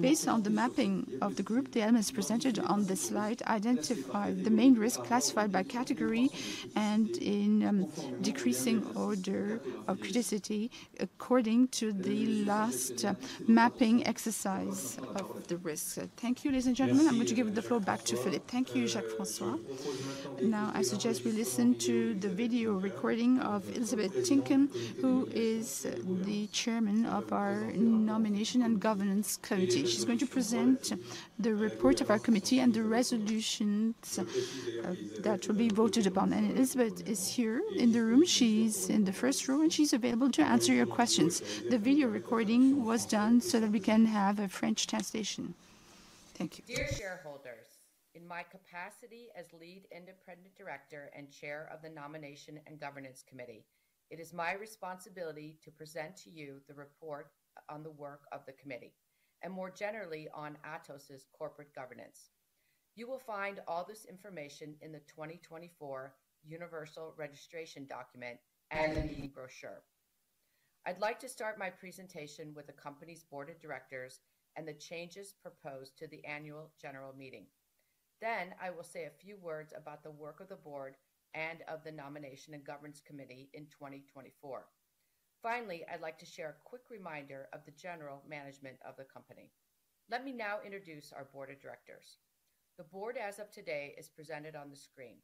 Based on the mapping of the group, the elements presented on the slide identify the main risk classified by category and in decreasing order of criticality according to the last mapping exercise of the risk. Thank you, ladies and gentlemen. I'm going to give the floor back to Philippe. Thank you, Jacques-François. Now, I suggest we listen to the video recording of Elizabeth Tinkham, who is the Chairman of our Nomination and Governance Committee. She's going to present the report of our committee and the resolutions that will be voted upon. Elizabeth is here in the room. She's in the first row, and she's available to answer your questions. The video recording was done so that we can have a French translation. Thank you. Dear shareholders, in my capacity as Lead Independent Director and Chair of the Nomination and Governance Committee, it is my responsibility to present to you the report on the work of the committee and more generally on Atos's corporate governance. You will find all this information in the 2024 universal registration document and the brochure. I'd like to start my presentation with the company's Board of Directors and the changes proposed to the Annual General Meeting. Then, I will say a few words about the work of the board and of the Nomination and Governance Committee in 2024. Finally, I'd like to share a quick reminder of the general management of the company. Let me now introduce our Board of Directors. The board, as of today, is presented on the screen.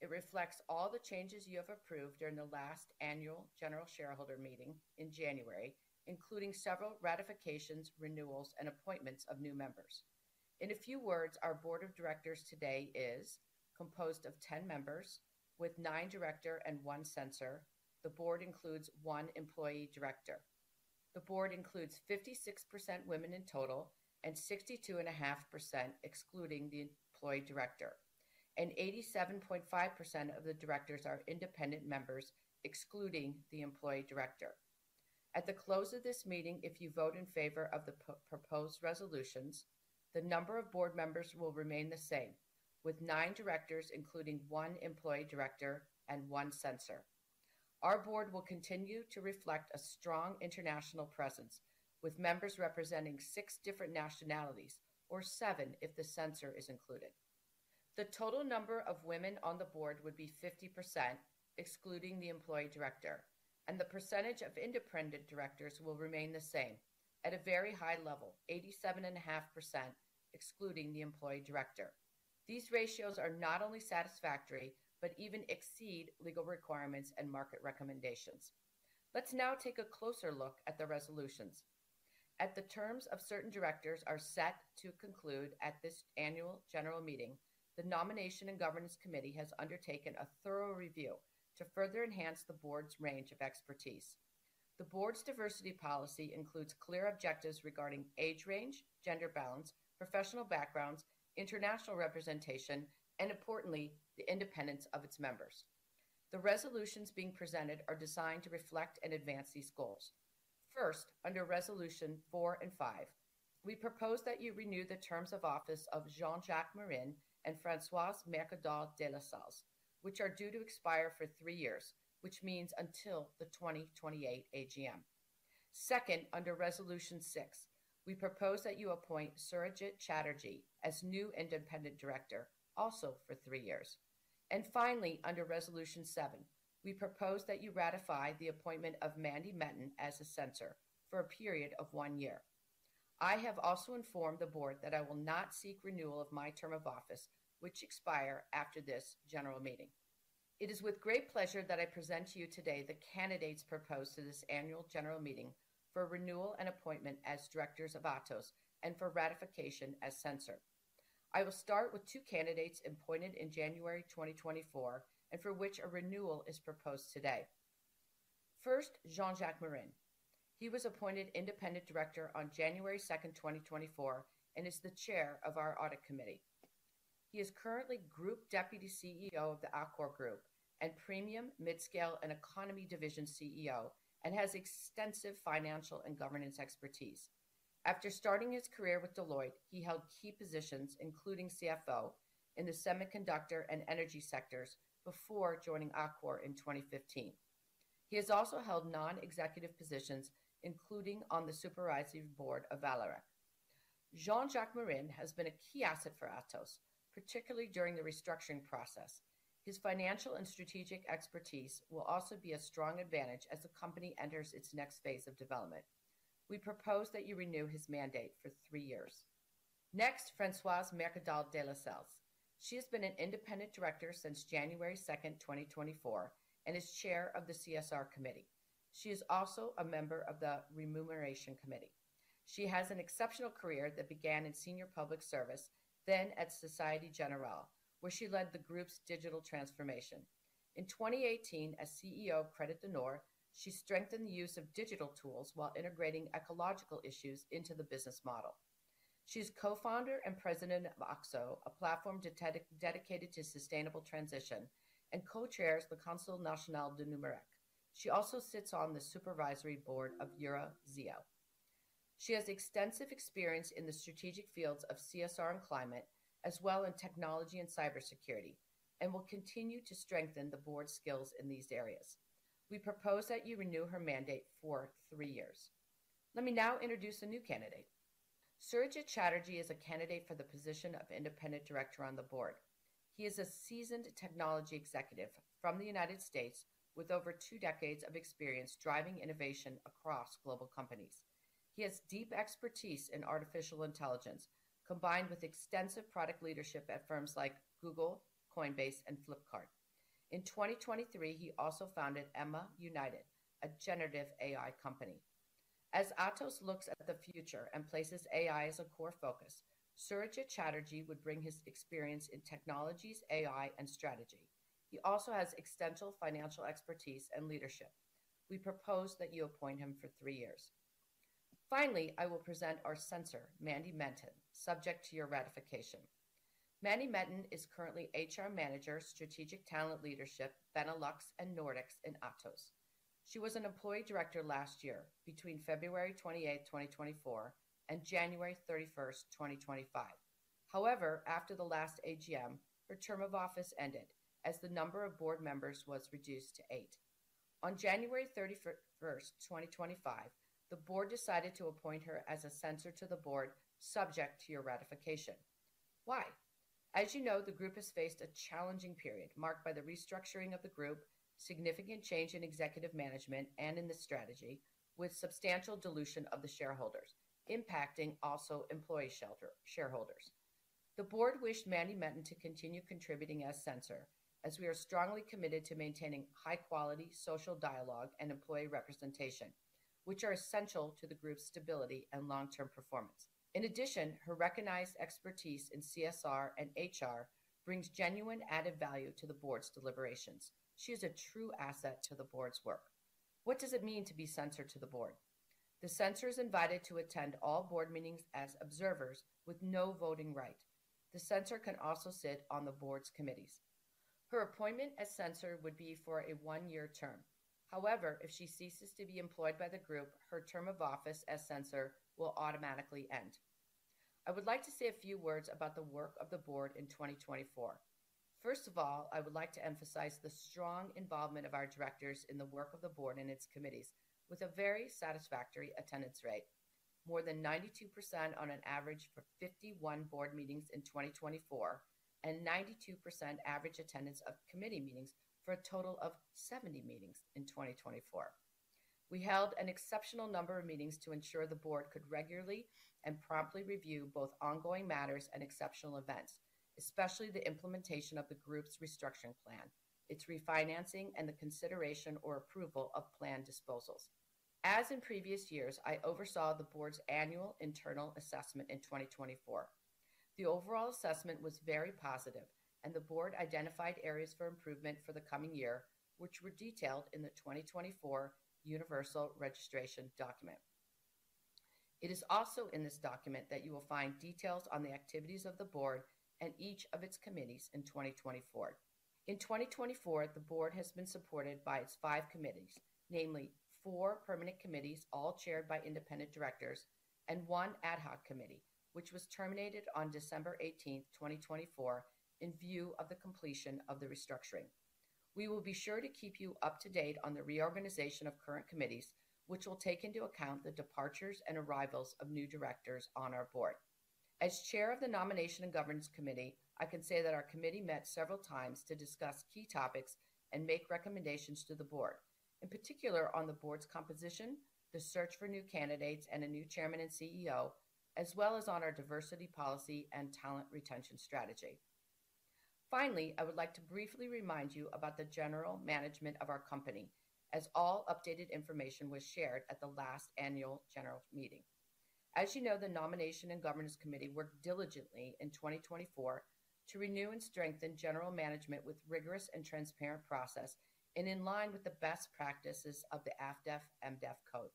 It reflects all the changes you have approved during the last annual general shareholder meeting in January, including several ratifications, renewals, and appointments of new members. In a few words, our board of directors today is composed of 10 members with 9 directors and 1 censor. The board includes 1 employee director. The board includes 56% women in total and 62.5% excluding the employee director. 87.5% of the directors are independent members, excluding the employee director. At the close of this meeting, if you vote in favor of the proposed resolutions, the number of board members will remain the same, with 9 directors, including 1 employee director and 1 censor. Our board will continue to reflect a strong international presence, with members representing 6 different nationalities, or 7 if the censor is included. The total number of women on the board would be 50%, excluding the employee director, and the percentage of independent directors will remain the same at a very high level, 87.5%, excluding the employee director. These ratios are not only satisfactory but even exceed legal requirements and market recommendations. Let's now take a closer look at the resolutions. As the terms of certain directors are set to conclude at this annual general meeting, the nomination and governance committee has undertaken a thorough review to further enhance the board's range of expertise. The board's diversity policy includes clear objectives regarding age range, gender balance, professional backgrounds, international representation, and importantly, the independence of its members. The resolutions being presented are designed to reflect and advance these goals. First, under resolutions 4 and 5, we propose that you renew the terms of office of Jean-Jacques Marin and Françoise Mercadot de la Salle, which are due to expire, for three years, which means until the 2028 AGM. Second, under resolution 6, we propose that you appoint Serge Chatterjee as new independent director, also for three years. Finally, under resolution 7, we propose that you ratify the appointment of Mandy Menton as a censor for a period of one year. I have also informed the board that I will not seek renewal of my term of office, which expires after this general meeting. It is with great pleasure that I present to you today the candidates proposed to this annual general meeting for renewal and appointment as directors of Atos and for ratification as censor. I will start with two candidates appointed in January 2024 and for which a renewal is proposed today. First, Jean-Jacques Marin. He was appointed independent director on January 2, 2024, and is the chair of our audit committee. He is currently Group Deputy CEO of the Accor Group and Premium, Mid-Scale, and Economy Division CEO, and has extensive financial and governance expertise. After starting his career with Deloitte, he held key positions, including CFO in the semiconductor and energy sectors before joining Accor in 2015. He has also held non-executive positions, including on the supervisory board of Valorek. Jean-Jacques Marin has been a key asset for Atos, particularly during the restructuring process. His financial and strategic expertise will also be a strong advantage as the company enters its next phase of development. We propose that you renew his mandate for three years. Next, Françoise Mercadot de la Salle. She has been an independent director since January 2, 2024, and is chair of the CSR committee. She is also a member of the remuneration committee. She has an exceptional career that began in senior public service, then at Société Générale, where she led the group's digital transformation. In 2018, as CEO of Crédit du Nord, she strengthened the use of digital tools while integrating ecological issues into the business model. She is co-founder and president of AXO, a platform dedicated to sustainable transition, and co-chairs the Conseil National du Numérique. She also sits on the supervisory board of Eurazeo. She has extensive experience in the strategic fields of CSR and climate, as well as in technology and cybersecurity, and will continue to strengthen the board's skills in these areas. We propose that you renew her mandate for three years. Let me now introduce a new candidate. Serge Chatterjee is a candidate for the position of independent director on the board. He is a seasoned technology executive from the United States with over two decades of experience driving innovation across global companies. He has deep expertise in artificial intelligence, combined with extensive product leadership at firms like Google, Coinbase, and Flipkart. In 2023, he also founded Emma United, a generative AI company. As Atos looks at the future and places AI as a core focus, Serge Chatterjee would bring his experience in technologies, AI, and strategy. He also has extensive financial expertise and leadership. We propose that you appoint him for three years. Finally, I will present our censor, Mandy Menton, subject to your ratification. Mandy Menton is currently HR Manager, Strategic Talent Leadership, Benelux, and Nordics in Atos. She was an employee director last year between February 28, 2024, and January 31, 2025. However, after the last AGM, her term of office ended as the number of board members was reduced to eight. On January 31, 2025, the board decided to appoint her as a censor to the board, subject to your ratification. Why? As you know, the group has faced a challenging period marked by the restructuring of the group, significant change in executive management, and in the strategy, with substantial dilution of the shareholders, impacting also employee shareholders. The board wished Mandy Menton to continue contributing as censor, as we are strongly committed to maintaining high-quality social dialogue and employee representation, which are essential to the group's stability and long-term performance. In addition, her recognized expertise in CSR and HR brings genuine added value to the board's deliberations. She is a true asset to the board's work. What does it mean to be censor to the board? The censor is invited to attend all board meetings as observers with no voting right. The censor can also sit on the board's committees. Her appointment as censor would be for a one-year term. However, if she ceases to be employed by the group, her term of office as censor will automatically end. I would like to say a few words about the work of the board in 2024. First of all, I would like to emphasize the strong involvement of our directors in the work of the board and its committees, with a very satisfactory attendance rate, more than 92% on average for 51 board meetings in 2024, and 92% average attendance of committee meetings for a total of 70 meetings in 2024. We held an exceptional number of meetings to ensure the board could regularly and promptly review both ongoing matters and exceptional events, especially the implementation of the group's restructuring plan, its refinancing, and the consideration or approval of planned disposals. As in previous years, I oversaw the board's annual internal assessment in 2024. The overall assessment was very positive, and the board identified areas for improvement for the coming year, which were detailed in the 2024 universal registration document. It is also in this document that you will find details on the activities of the board and each of its committees in 2024. In 2024, the board has been supported by its five committees, namely four permanent committees, all chaired by independent directors, and one ad hoc committee, which was terminated on December 18, 2024, in view of the completion of the restructuring. We will be sure to keep you up to date on the reorganization of current committees, which will take into account the departures and arrivals of new directors on our board. As chair of the nomination and governance committee, I can say that our committee met several times to discuss key topics and make recommendations to the board, in particular on the board's composition, the search for new candidates, and a new chairman and CEO, as well as on our diversity policy and talent retention strategy. Finally, I would like to briefly remind you about the general management of our company, as all updated information was shared at the last annual general meeting. As you know, the nomination and governance committee worked diligently in 2024 to renew and strengthen general management with rigorous and transparent processes and in line with the best practices of the AFDEF-MDEF code.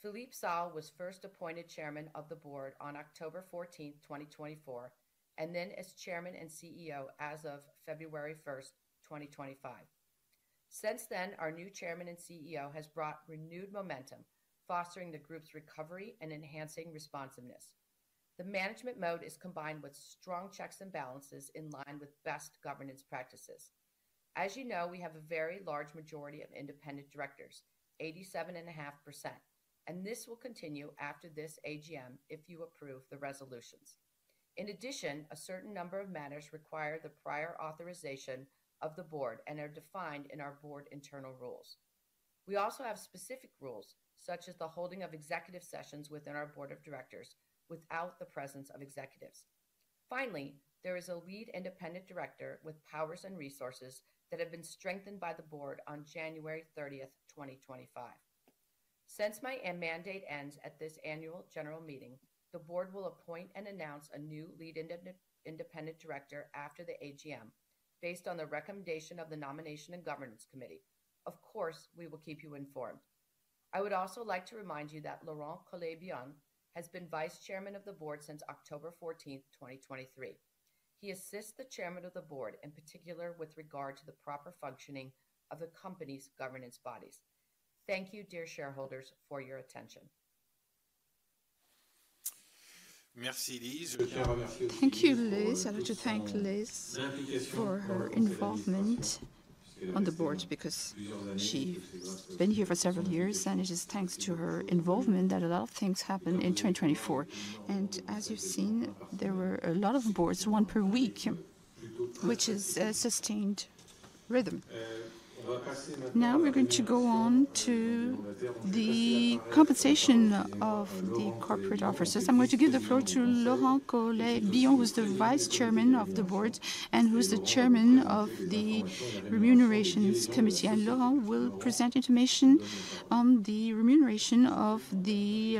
Philippe Saul was first appointed chairman of the board on October 14, 2024, and then as Chairman and CEO as of February 1, 2025. Since then, our new Chairman and CEO has brought renewed momentum, fostering the group's recovery and enhancing responsiveness. The management mode is combined with strong checks and balances in line with best governance practices. As you know, we have a very large majority of independent directors, 87.5%, and this will continue after this AGM if you approve the resolutions. In addition, a certain number of matters require the prior authorization of the board and are defined in our board internal rules. We also have specific rules, such as the holding of executive sessions within our board of directors without the presence of executives. Finally, there is a Lead Independent Director with powers and resources that have been strengthened by the board on January 30, 2025. Since my mandate ends at this annual general meeting, the board will appoint and announce a new lead independent director after the AGM, based on the recommendation of the nomination and governance committee. Of course, we will keep you informed. I would also like to remind you that Laurent Colet-Bion has been vice chairman of the board since October 14, 2023. He assists the chairman of the board, in particular with regard to the proper functioning of the company's governance bodies. Thank you, dear shareholders, for your attention. Merci, Lise. Je tiens à remercier aussi. Thank you, Lise. I'd like to thank Lise for her involvement on the board because she's been here for several years, and it is thanks to her involvement that a lot of things happen in 2024. As you've seen, there were a lot of boards, one per week, which is a sustained rhythm. Now we're going to go on to the compensation of the corporate officers. I'm going to give the floor to Laurent Colet-Bion, who's the Vice Chairman of the Board and who's the Chairman of the Remunerations Committee. Laurent will present information on the remuneration of the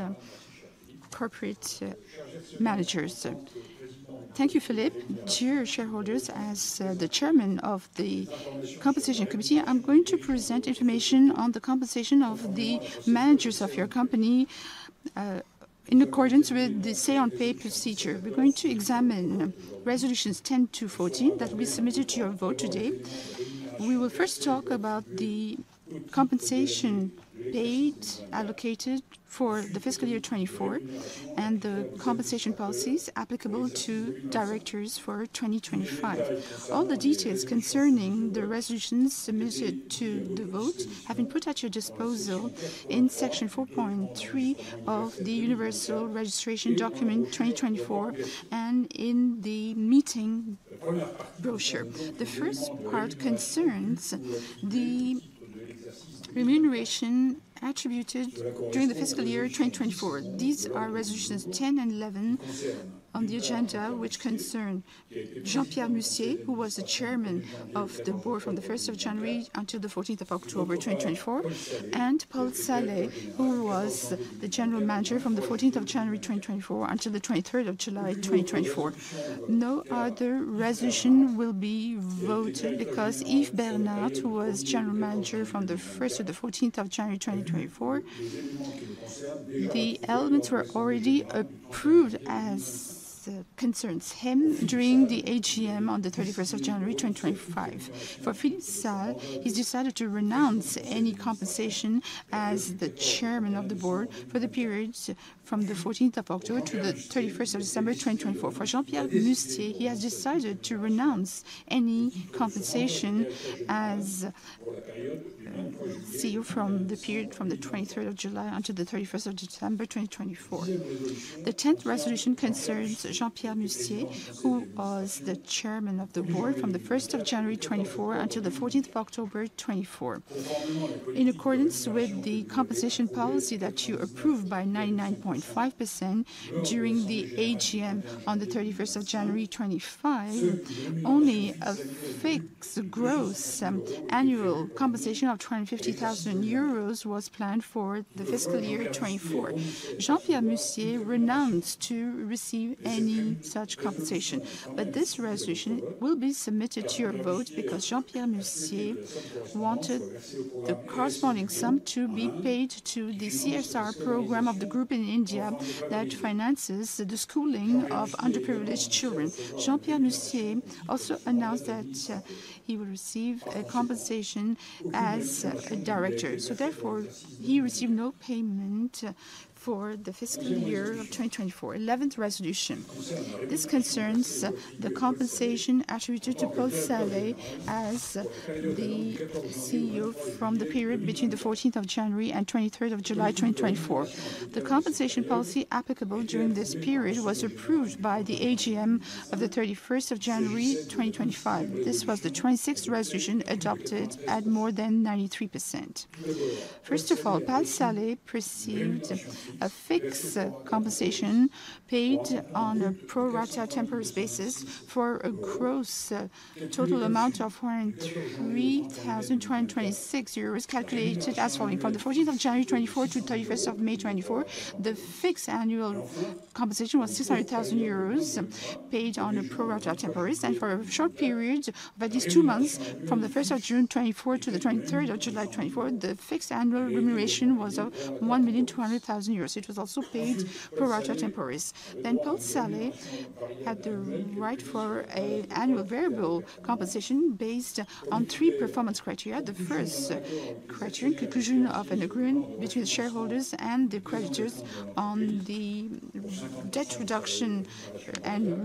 corporate managers. Thank you, Philippe. Dear shareholders, as the Chairman of the Compensation Committee, I'm going to present information on the compensation of the managers of your company in accordance with the say-on-pay procedure. We're going to examine resolutions 10 to 14 that we submitted to your vote today. We will first talk about the compensation paid, allocated for the fiscal year 2024, and the compensation policies applicable to directors for 2025. All the details concerning the resolutions submitted to the vote have been put at your disposal in section 4.3 of the universal registration document 2024 and in the meeting brochure. The first part concerns the remuneration attributed during the fiscal year 2024. These are resolutions 10 and 11 on the agenda, which concern Jean-Pierre Musier, who was the Chairman of the Board from January 1st until October 14th, 2024, and Paul Salet, who was the General Manager from January 14th, 2024 until July 23rd, 2024. No other resolution will be voted because Yves Bernard, who was General Manager from January 1st to January 14th, 2024, the elements were already approved as concerning him during the AGM on January 31st, 2025. For Philippe Saul, he's decided to renounce any compensation as the Chairman of the Board for the period from October 14th to December 31st, 2024. For Jean-Pierre Musier, he has decided to renounce any compensation as CEO from the period from July 23rd until December 31st, 2024. The 10th resolution concerns Jean-Pierre Musier, who was the Chairman of the Board from January 1st, 2024 until October 14th, 2024. In accordance with the compensation policy that you approved by 99.5% during the AGM on January 31st, 2025, only a fixed gross annual compensation of €250,000 was planned for the fiscal year 2024. Jean-Pierre Musier renounced to receive any such compensation, but this resolution will be submitted to your vote because Jean-Pierre Musier wanted the corresponding sum to be paid to the CSR program of the group in India that finances the schooling of underprivileged children. Jean-Pierre Musier also announced that he will receive a compensation as a Director. Therefore, he received no payment for the fiscal year of 2024. 11th resolution. This concerns the compensation attributed to Paul Salet as the CEO from the period between the 14th of January and 23rd of July 2024. The compensation policy applicable during this period was approved by the AGM of the 31st of January 2025. This was the 26th resolution adopted at more than 93%. First of all, Paul Salet received a fixed compensation paid on a pro-rata temporary basis for a gross total amount of €403,226 calculated as following: from the 14th of January 2024 to the 31st of May 2024, the fixed annual compensation was €600,000 paid on a pro-rata temporary basis. For a short period of at least two months, from the 1st of June 2024 to the 23rd of July 2024, the fixed annual remuneration was €1,200,000. It was also paid pro-rata temporary basis. Paul Salet had the right for an annual variable compensation based on three performance criteria. The first criterion, conclusion of an agreement between the shareholders and the creditors on the debt reduction and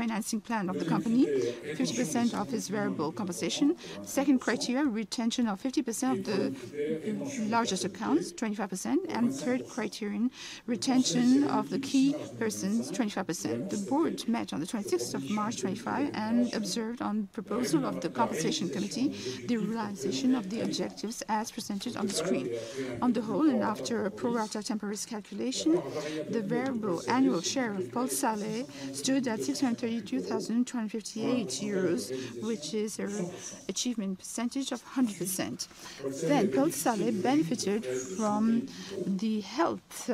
refinancing plan of the company, 50% of his variable compensation. Second criterion, retention of 50% of the largest accounts, 25%. Third criterion, retention of the key persons, 25%. The board met on the 26th of March 2025 and observed on the proposal of the compensation committee the realization of the objectives as presented on the screen. On the whole, and after a pro-rata temporary basis calculation, the variable annual share of Paul Salet stood at €632,258, which is an achievement percentage of 100%. Paul Salet benefited from the health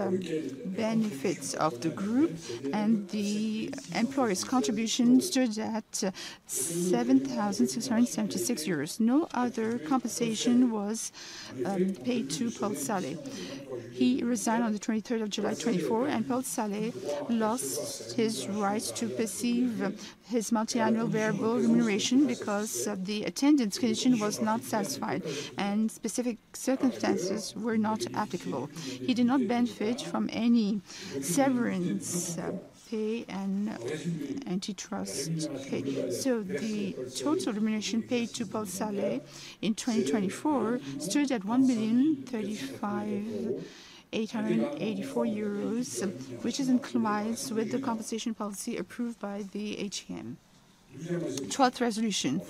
benefits of the group, and the employees' contributions stood at €7,676. No other compensation was paid to Paul Salet. He resigned on the 23rd of July 2024, and Paul Salet lost his right to perceive his multi-annual variable remuneration because the attendance condition was not satisfied and specific circumstances were not applicable. He did not benefit from any severance pay and antitrust pay. So the total remuneration paid to Paul Salet in 2024 stood at €1,035,884, which is in compliance with the compensation policy approved by the AGM. 12th resolution.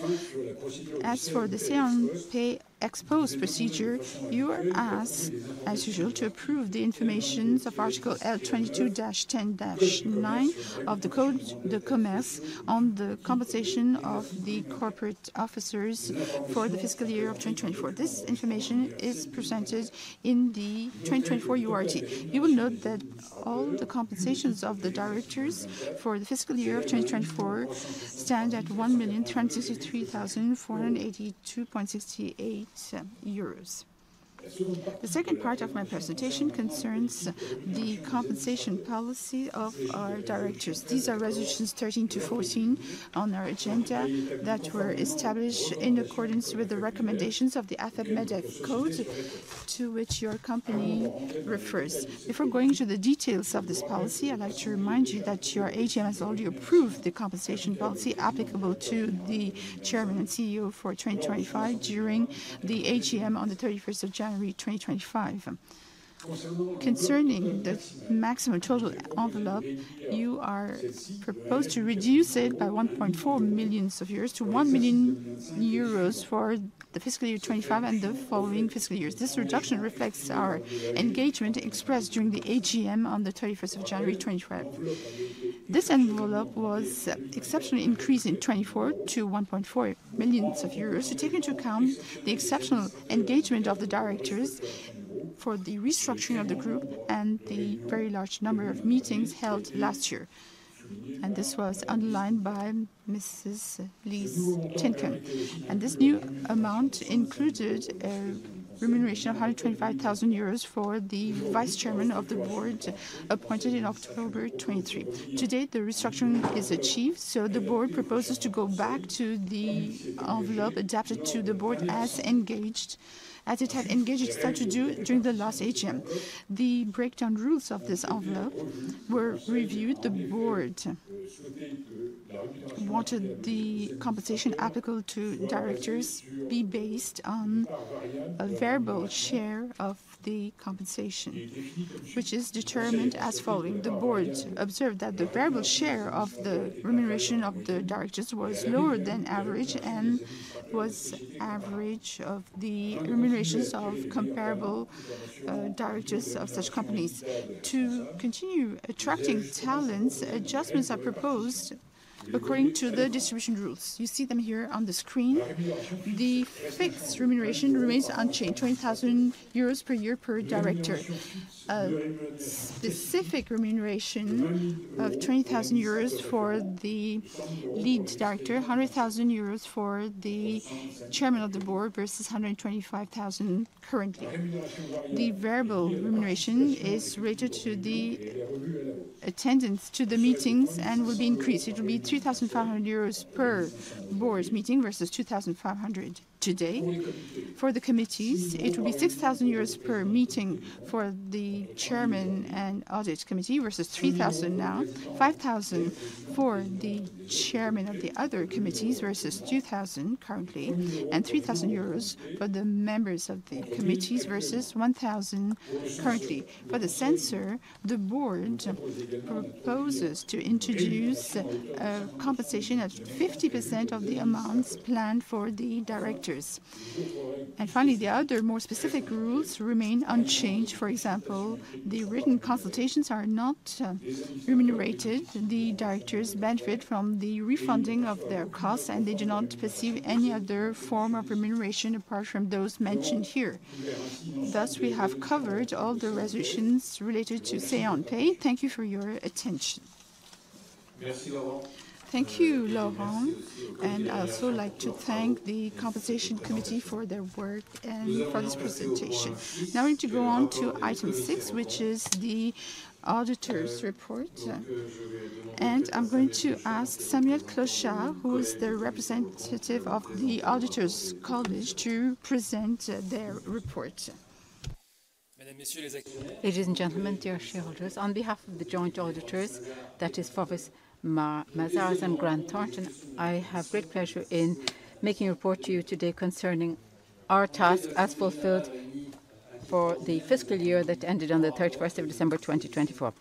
As for the say-on-pay expose procedure, you are asked, as usual, to approve the information of Article L22-10-9 of the Code de Commerce on the compensation of the corporate officers for the fiscal year of 2024. This information is presented in the 2024 URD. You will note that all the compensations of the directors for the fiscal year of 2024 stand at €1,063,482.68. The second part of my presentation concerns the compensation policy of our directors. These are resolutions 13 to 14 on our agenda that were established in accordance with the recommendations of the AFEP-MEDEF code to which your company refers. Before going to the details of this policy, I'd like to remind you that your AGM has already approved the compensation policy applicable to the Chairman and CEO for 2025 during the AGM on January 31st, 2025. Concerning the maximum total envelope, you are proposed to reduce it by €1.4 million to €1 million for fiscal year 2025 and the following fiscal years. This reduction reflects our engagement expressed during the AGM on January 31st, 2025. This envelope was exceptionally increased in 2024 to €1.4 million, taking into account the exceptional engagement of the directors for the restructuring of the group and the very large number of meetings held last year. This was underlined by Mrs. Lise Tintin. This new amount included a remuneration of €125,000 for the Vice Chairman of the Board appointed in October 2023. To date, the restructuring is achieved, so the board proposes to go back to the envelope adapted to the board as engaged, as it had engaged itself to do during the last AGM. The breakdown rules of this envelope were reviewed. The board wanted the compensation applicable to directors be based on a variable share of the compensation, which is determined as follows. The board observed that the variable share of the remuneration of the directors was lower than average and was average of the remunerations of comparable directors of such companies. To continue attracting talents, adjustments are proposed according to the distribution rules. You see them here on the screen. The fixed remuneration remains unchanged, €20,000 per year per director. Specific remuneration of €20,000 for the lead director, €100,000 for the Chairman of the Board versus €125,000 currently. The variable remuneration is related to the attendance to the meetings and will be increased. It will be €3,500 per board meeting versus €2,500 today. For the committees, it will be €6,000 per meeting for the Chairman and Audit Committee versus €3,000 now, €5,000 for the Chairman of the other committees versus €2,000 currently, and €3,000 for the members of the committees versus €1,000 currently. For the censor, the board proposes to introduce a compensation at 50% of the amounts planned for the directors. Finally, the other more specific rules remain unchanged. For example, the written consultations are not remunerated. The directors benefit from the refunding of their costs, and they do not perceive any other form of remuneration apart from those mentioned here. Thus, we have covered all the resolutions related to stay-on-pay. Thank you for your attention. Thank you, Laurent. I'd also like to thank the compensation committee for their work and for this presentation. Now I'm going to go on to item 6, which is the auditor's report. I'm going to ask Samuel Clochard, who is the representative of the auditors' college, to present their report. Mesdames et Messieurs les Actionnaires. Ladies and Gentlemen, dear shareholders, on behalf of the joint auditors, that is Deloitte, Mazars and Grant Thornton, I have great pleasure in making a report to you today concerning our task as fulfilled for the fiscal year that ended on December 31st, 2024.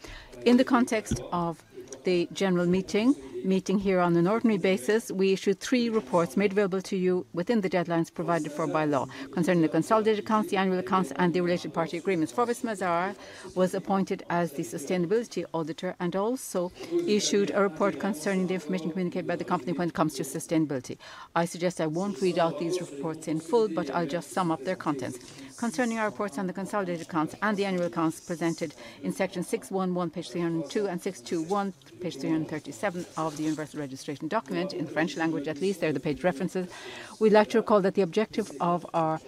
In the context of the general meeting, meeting here on an ordinary basis, we issued three reports made available to you within the deadlines provided for by law concerning the consolidated accounts, the annual accounts, and the related party agreements. Deloitte Mazars was appointed as the sustainability auditor and also issued a report concerning the information communicated by the company when it comes to sustainability. I suggest I won't read out these reports in full, but I'll just sum up their contents. Concerning our reports on the consolidated accounts and the annual accounts presented in section 611, page 302, and 621, page 337 of the universal registration document, in the French language at least, there are the page references. We'd like to recall that the objective of our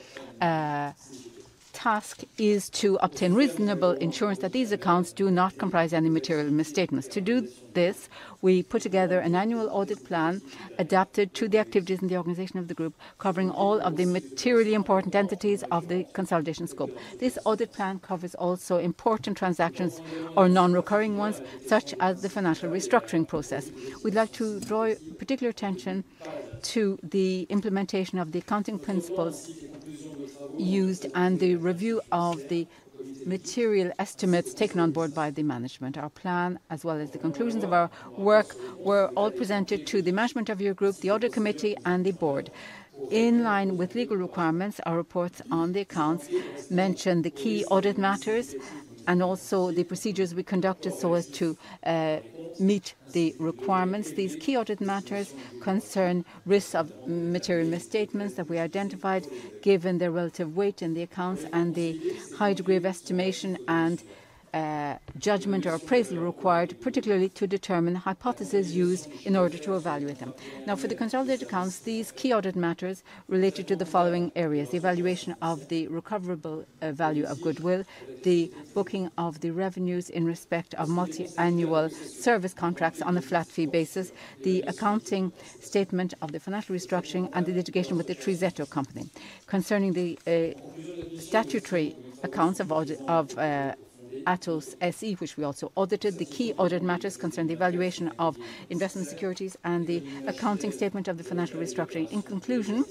task is to obtain reasonable assurance that these accounts do not comprise any material misstatements. To do this, we put together an annual audit plan adapted to the activities and the organization of the group, covering all of the materially important entities of the consolidation scope. This audit plan covers also important transactions or non-recurring ones, such as the financial restructuring process. We'd like to draw particular attention to the implementation of the accounting principles used and the review of the material estimates taken on board by the management. Our plan, as well as the conclusions of our work, were all presented to the management of your group, the audit committee, and the board. In line with legal requirements, our reports on the accounts mention the key audit matters and also the procedures we conducted so as to meet the requirements. These key audit matters concern risks of material misstatements that we identified, given their relative weight in the accounts and the high degree of estimation and judgment or appraisal required, particularly to determine hypotheses used in order to evaluate them. Now, for the consolidated accounts, these key audit matters related to the following areas: the evaluation of the recoverable value of goodwill, the booking of the revenues in respect of multi-annual service contracts on a flat fee basis, the accounting statement of the financial restructuring, and the litigation with the Trizetto Company. Concerning the statutory accounts of Atos SE, which we also audited, the key audit matters concern the evaluation of investment securities and the accounting statement of the financial restructuring. In conclusion,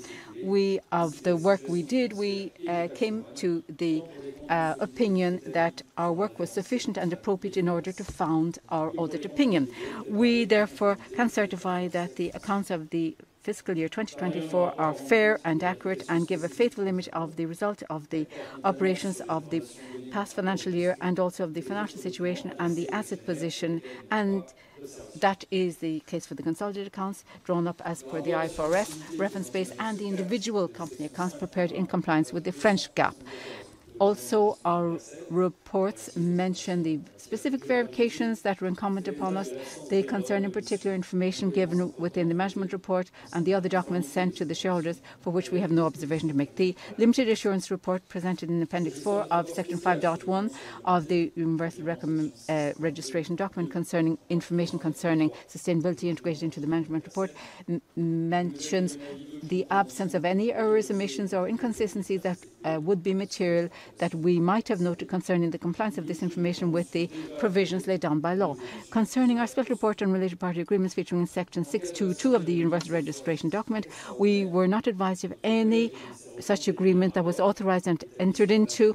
of the work we did, we came to the opinion that our work was sufficient and appropriate in order to found our audit opinion. We, therefore, can certify that the accounts of the fiscal year 2024 are fair and accurate and give a faithful image of the result of the operations of the past financial year and also of the financial situation and the asset position. That is the case for the consolidated accounts drawn up as per the IFRS reference base and the individual company accounts prepared in compliance with the French GAAP. Also, our reports mention the specific verifications that were incumbent upon us. They concern, in particular, information given within the management report and the other documents sent to the shareholders, for which we have no observation to make. The limited assurance report presented in appendix 4 of section 5.1 of the universal registration document concerning information concerning sustainability integrated into the management report mentions the absence of any errors, omissions, or inconsistencies that would be material that we might have noted concerning the compliance of this information with the provisions laid down by law. Concerning our skilled report and related party agreements featuring in section 6.2.2 of the universal registration document, we were not advised of any such agreement that was authorized and entered into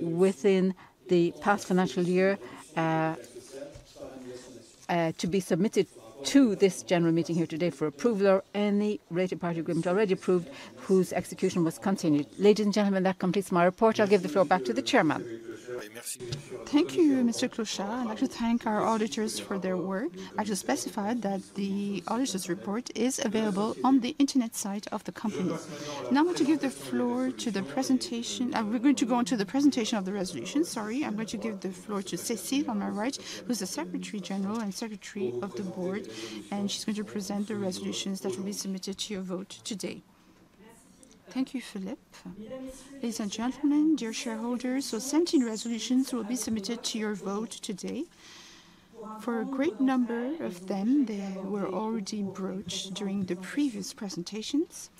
within the past financial year to be submitted to this general meeting here today for approval or any related party agreement already approved whose execution was continued. Ladies and gentlemen, that completes my report. I'll give the floor back to the chairman. Thank you, Mr. Clochard. I'd like to thank our auditors for their work. I have to specify that the auditor's report is available on the internet site of the company. Now I'm going to give the floor to the presentation. We're going to go on to the presentation of the resolutions. Sorry. I'm going to give the floor to Cécile on my right, who's the Secretary General and Secretary of the Board. She's going to present the resolutions that will be submitted to your vote today. Thank you, Philippe. Ladies and gentlemen, dear shareholders, so 17 resolutions will be submitted to your vote today. For a great number of them, they were already broached during the previous presentations.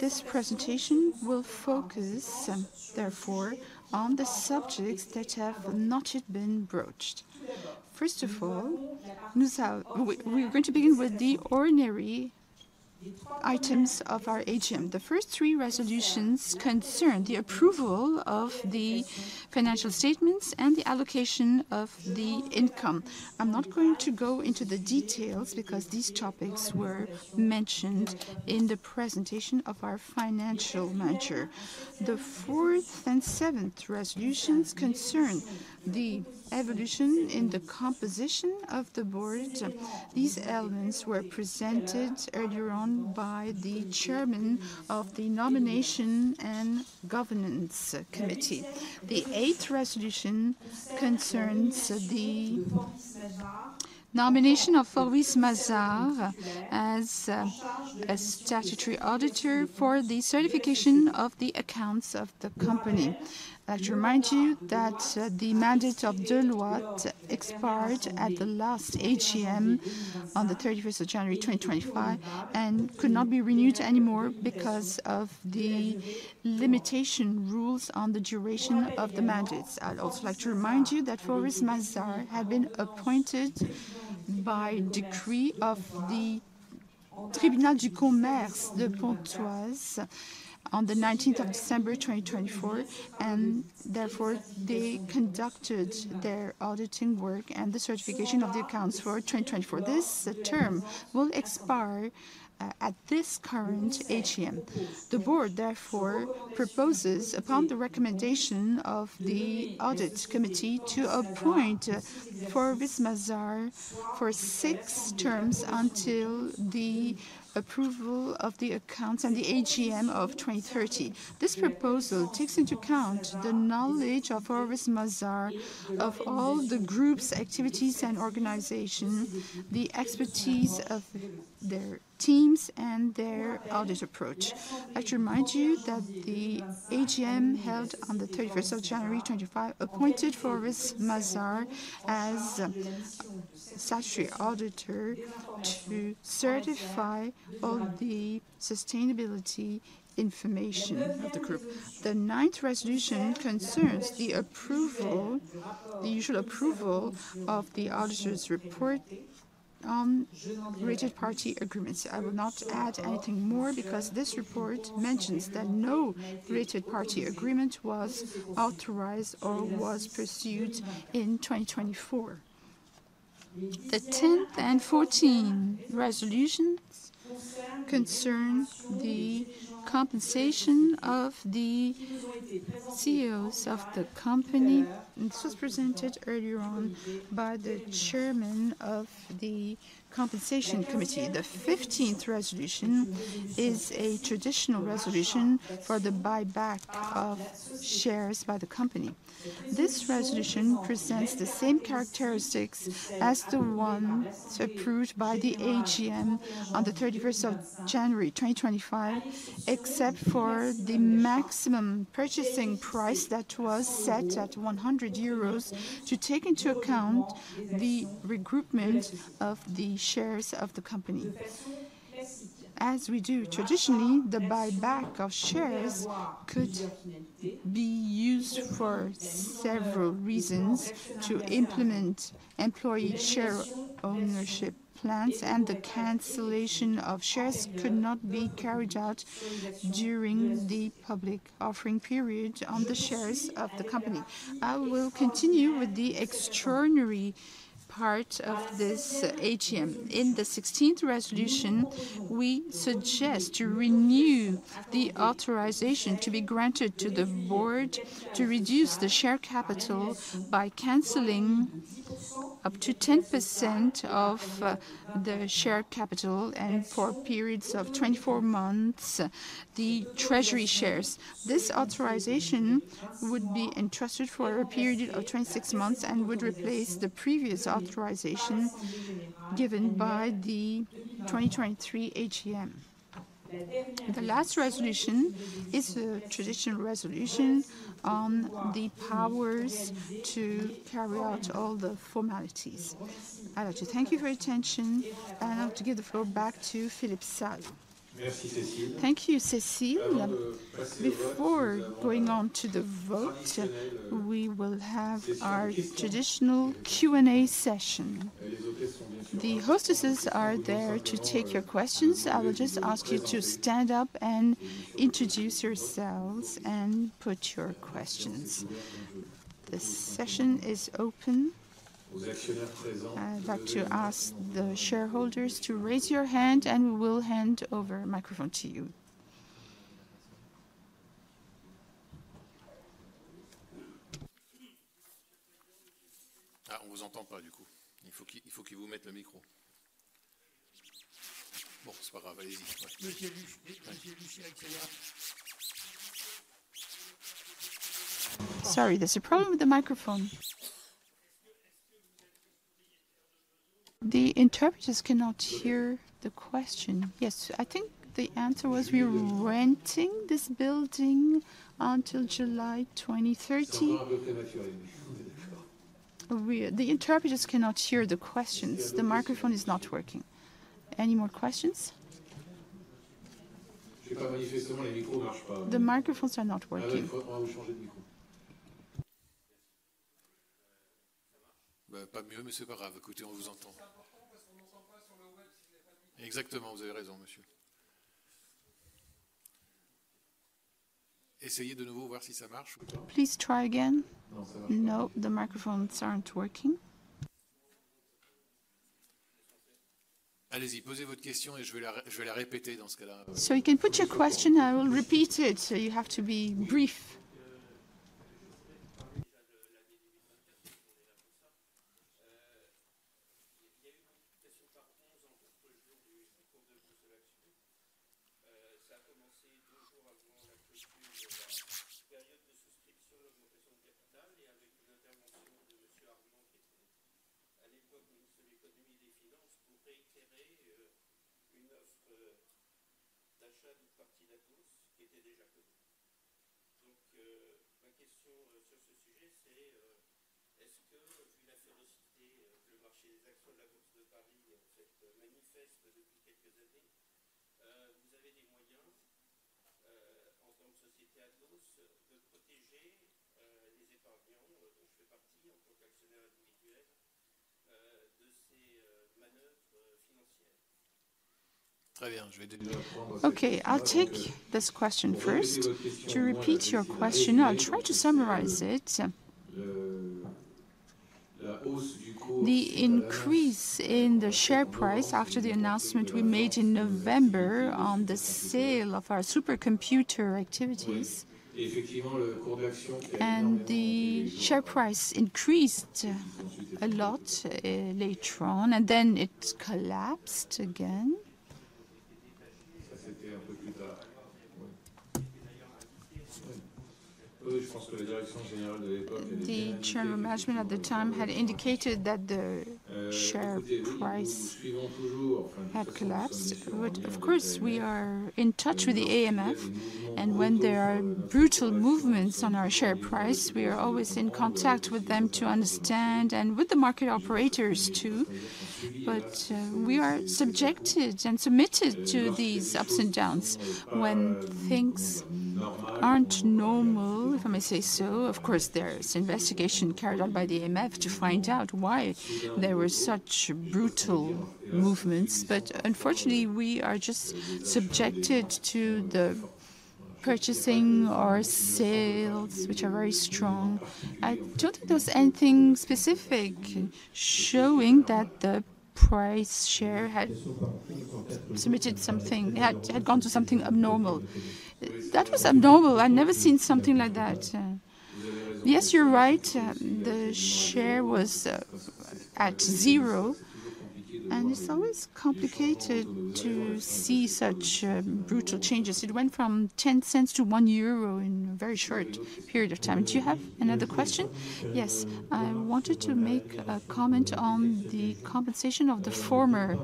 This presentation will focus, therefore, on the subjects that have not yet been broached. First of all, we're going to begin with the ordinary items of our AGM. The first three resolutions concern the approval of the financial statements and the allocation of the income. I'm not going to go into the details because these topics were mentioned in the presentation of our financial manager. The fourth and seventh resolutions concern the evolution in the composition of the board. These elements were presented earlier on by the Chairman of the Nomination and Governance Committee. The eighth resolution concerns the nomination of Fauves Mazars as a statutory auditor for the certification of the accounts of the company. I'd like to remind you that the mandate of Deloitte expired at the last AGM on January 31st, 2025 and could not be renewed anymore because of the limitation rules on the duration of the mandates. I'd also like to remind you that Fauves Mazars had been appointed by decree of the Tribunal du Commerce de Pontoise on the 19th of December 2024, and therefore they conducted their auditing work and the certification of the accounts for 2024. This term will expire at this current AGM. The board, therefore, proposes, upon the recommendation of the audit committee, to appoint Fauves Mazars for six terms until the approval of the accounts and the AGM of 2030. This proposal takes into account the knowledge of Fauves Mazars of all the group's activities and organization, the expertise of their teams, and their audit approach. I'd like to remind you that the AGM held on the 31st of January 2025 appointed Fauves Mazars as a statutory auditor to certify all the sustainability information of the group. The ninth resolution concerns the usual approval of the auditor's report on related party agreements. I will not add anything more because this report mentions that no related party agreement was authorized or was pursued in 2024. The 10th and 14th resolutions concern the compensation of the CEOs of the company. This was presented earlier on by the Chairman of the Compensation Committee. The 15th resolution is a traditional resolution for the buyback of shares by the company. This resolution presents the same characteristics as the one approved by the AGM on January 31st, 2025, except for the maximum purchasing price that was set at €100 to take into account the regroupment of the shares of the company. As we do traditionally, the buyback of shares could be used for several reasons: to implement employee share ownership plans, and the cancellation of shares could not be carried out during the public offering period on the shares of the company. I will continue with the extraordinary part of this AGM. In the 16th resolution, we suggest to renew the authorization to be granted to the Board to reduce the share capital by canceling up to 10% of the share capital and for periods of 24 months, the treasury shares. This authorization would be entrusted for a period of 26 months and would replace the previous authorization given by the 2023 AGM. The last resolution is the traditional resolution on the powers to carry out all the formalities. I'd like to thank you for your attention, and I'll give the floor back to Philippe Sal. Thank you, Cécile. Before going on to the vote, we will have our traditional Q&A session. The hostesses are there to take your questions. I will just ask you to stand up and introduce yourselves and put your questions. This session is open. I'd like to ask the shareholders to raise your hand, and we will hand over the microphone to you. On ne vous entend pas, du coup. Il faut qu'il vous mette le micro. Bon, ce n'est pas grave, allez-y. Sorry, there's a problem with the microphone. The interpreters cannot hear the question. Yes, I think the answer was we're renting this building until July 2030. C'est un peu prématuré, mais on est d'accord. The interpreters cannot hear the questions. The microphone is not working. Any more questions? Je n'ai pas manifestement, les micros ne marchent pas. The microphones are not working. On va vous changer de micro. Pas mieux, mais ce n'est pas grave. Écoutez, on vous entend. Exactement, vous avez raison, monsieur. Essayez de nouveau voir si ça marche. Please try again. No, the microphones aren't working. Allez-y, posez votre question et je vais la répéter dans ce cas-là. So you can put your question and I will repeat it, so you have to be brief. Je vous ai déjà parlé de l'année 2024, on est là pour ça. Il y a eu une augmentation par 11 en contrejour du syndicat de Bruxelles Action. Ça a commencé deux jours avant la clôture de la période de souscription d'augmentation de capital et avec une intervention de Monsieur Armand, qui était à l'époque Ministre de l'Économie et des Finances, pour réitérer une offre d'achat d'une partie d'Atos qui était déjà connue. Donc, ma question sur ce sujet, c'est: est-ce que, vu la férocité que le marché des actions de la Bourse de Paris a faite manifeste depuis quelques années, vous avez des moyens, en tant que société Atos, de protéger les épargnants dont je fais partie en tant qu'actionnaire individuel de ces manœuvres financières? Très bien, je vais déjà prendre votre question. Okay, I'll take this question first. To repeat your question, I'll try to summarize it. La hausse du cours d'actions. The increase in the share price after the announcement we made in November on the sale of our supercomputer activities. Effectivement, le cours d'actions est remonté. The share price increased a lot later on, and then it collapsed again. C'était un peu plus tard. Oui, je pense que la direction générale de l'époque avait dit. The chairman of management at the time had indicated that the share price had collapsed. Of course, we are in touch with the AMF, and when there are brutal movements on our share price, we are always in contact with them to understand, and with the market operators too. But we are subjected and submitted to these ups and downs when things aren't normal, if I may say so. Of course, there's investigation carried out by the AMF to find out why there were such brutal movements, but unfortunately, we are just subjected to the purchasing or sales, which are very strong. I don't think there was anything specific showing that the price share had submitted something, had gone to something abnormal. That was abnormal. I've never seen something like that. Yes, you're right. The share was at zero, and it's always complicated to see such brutal changes. It went from €0.10 to €1.00 in a very short period of time. Do you have another question? Yes. I wanted to make a comment on the compensation of the former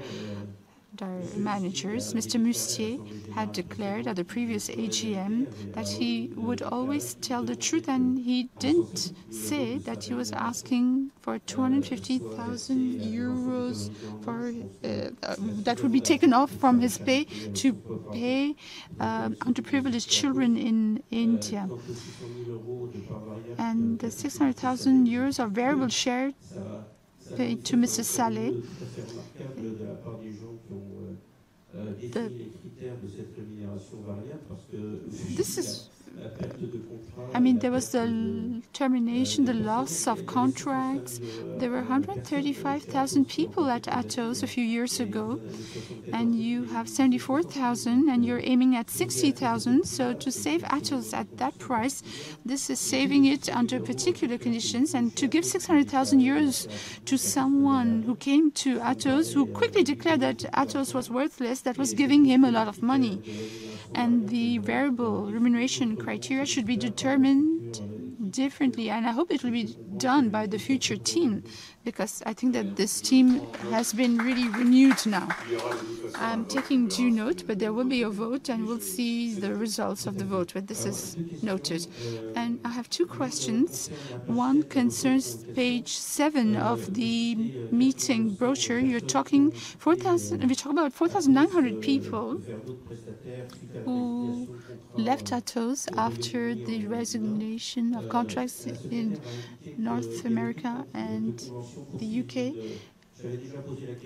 managers. Mr. Mustier had declared at the previous AGM that he would always tell the truth, and he didn't say that he was asking for €250,000 that would be taken off from his pay to pay underprivileged children in India. And the €600,000 of variable shares paid to Mr. Sallet. That is to say that there was the part of the people who defined the criteria of this variable compensation because of the loss of contracts. I mean, there was the termination, the loss of contracts. There were 135,000 people at Atos a few years ago, and you have 74,000, and you're aiming at 60,000. To save Atos at that price, this is saving it under particular conditions. To give €600,000 to someone who came to Atos, who quickly declared that Atos was worthless, that was giving him a lot of money. The variable remuneration criteria should be determined differently. I hope it will be done by the future team because I think that this team has been really renewed now. I'm taking due note, but there will be a vote, and we'll see the results of the vote when this is noted. I have two questions. One concerns page seven of the meeting brochure. You're talking about 4,900 people who left Atos after the resignation of contracts in North America and the UK.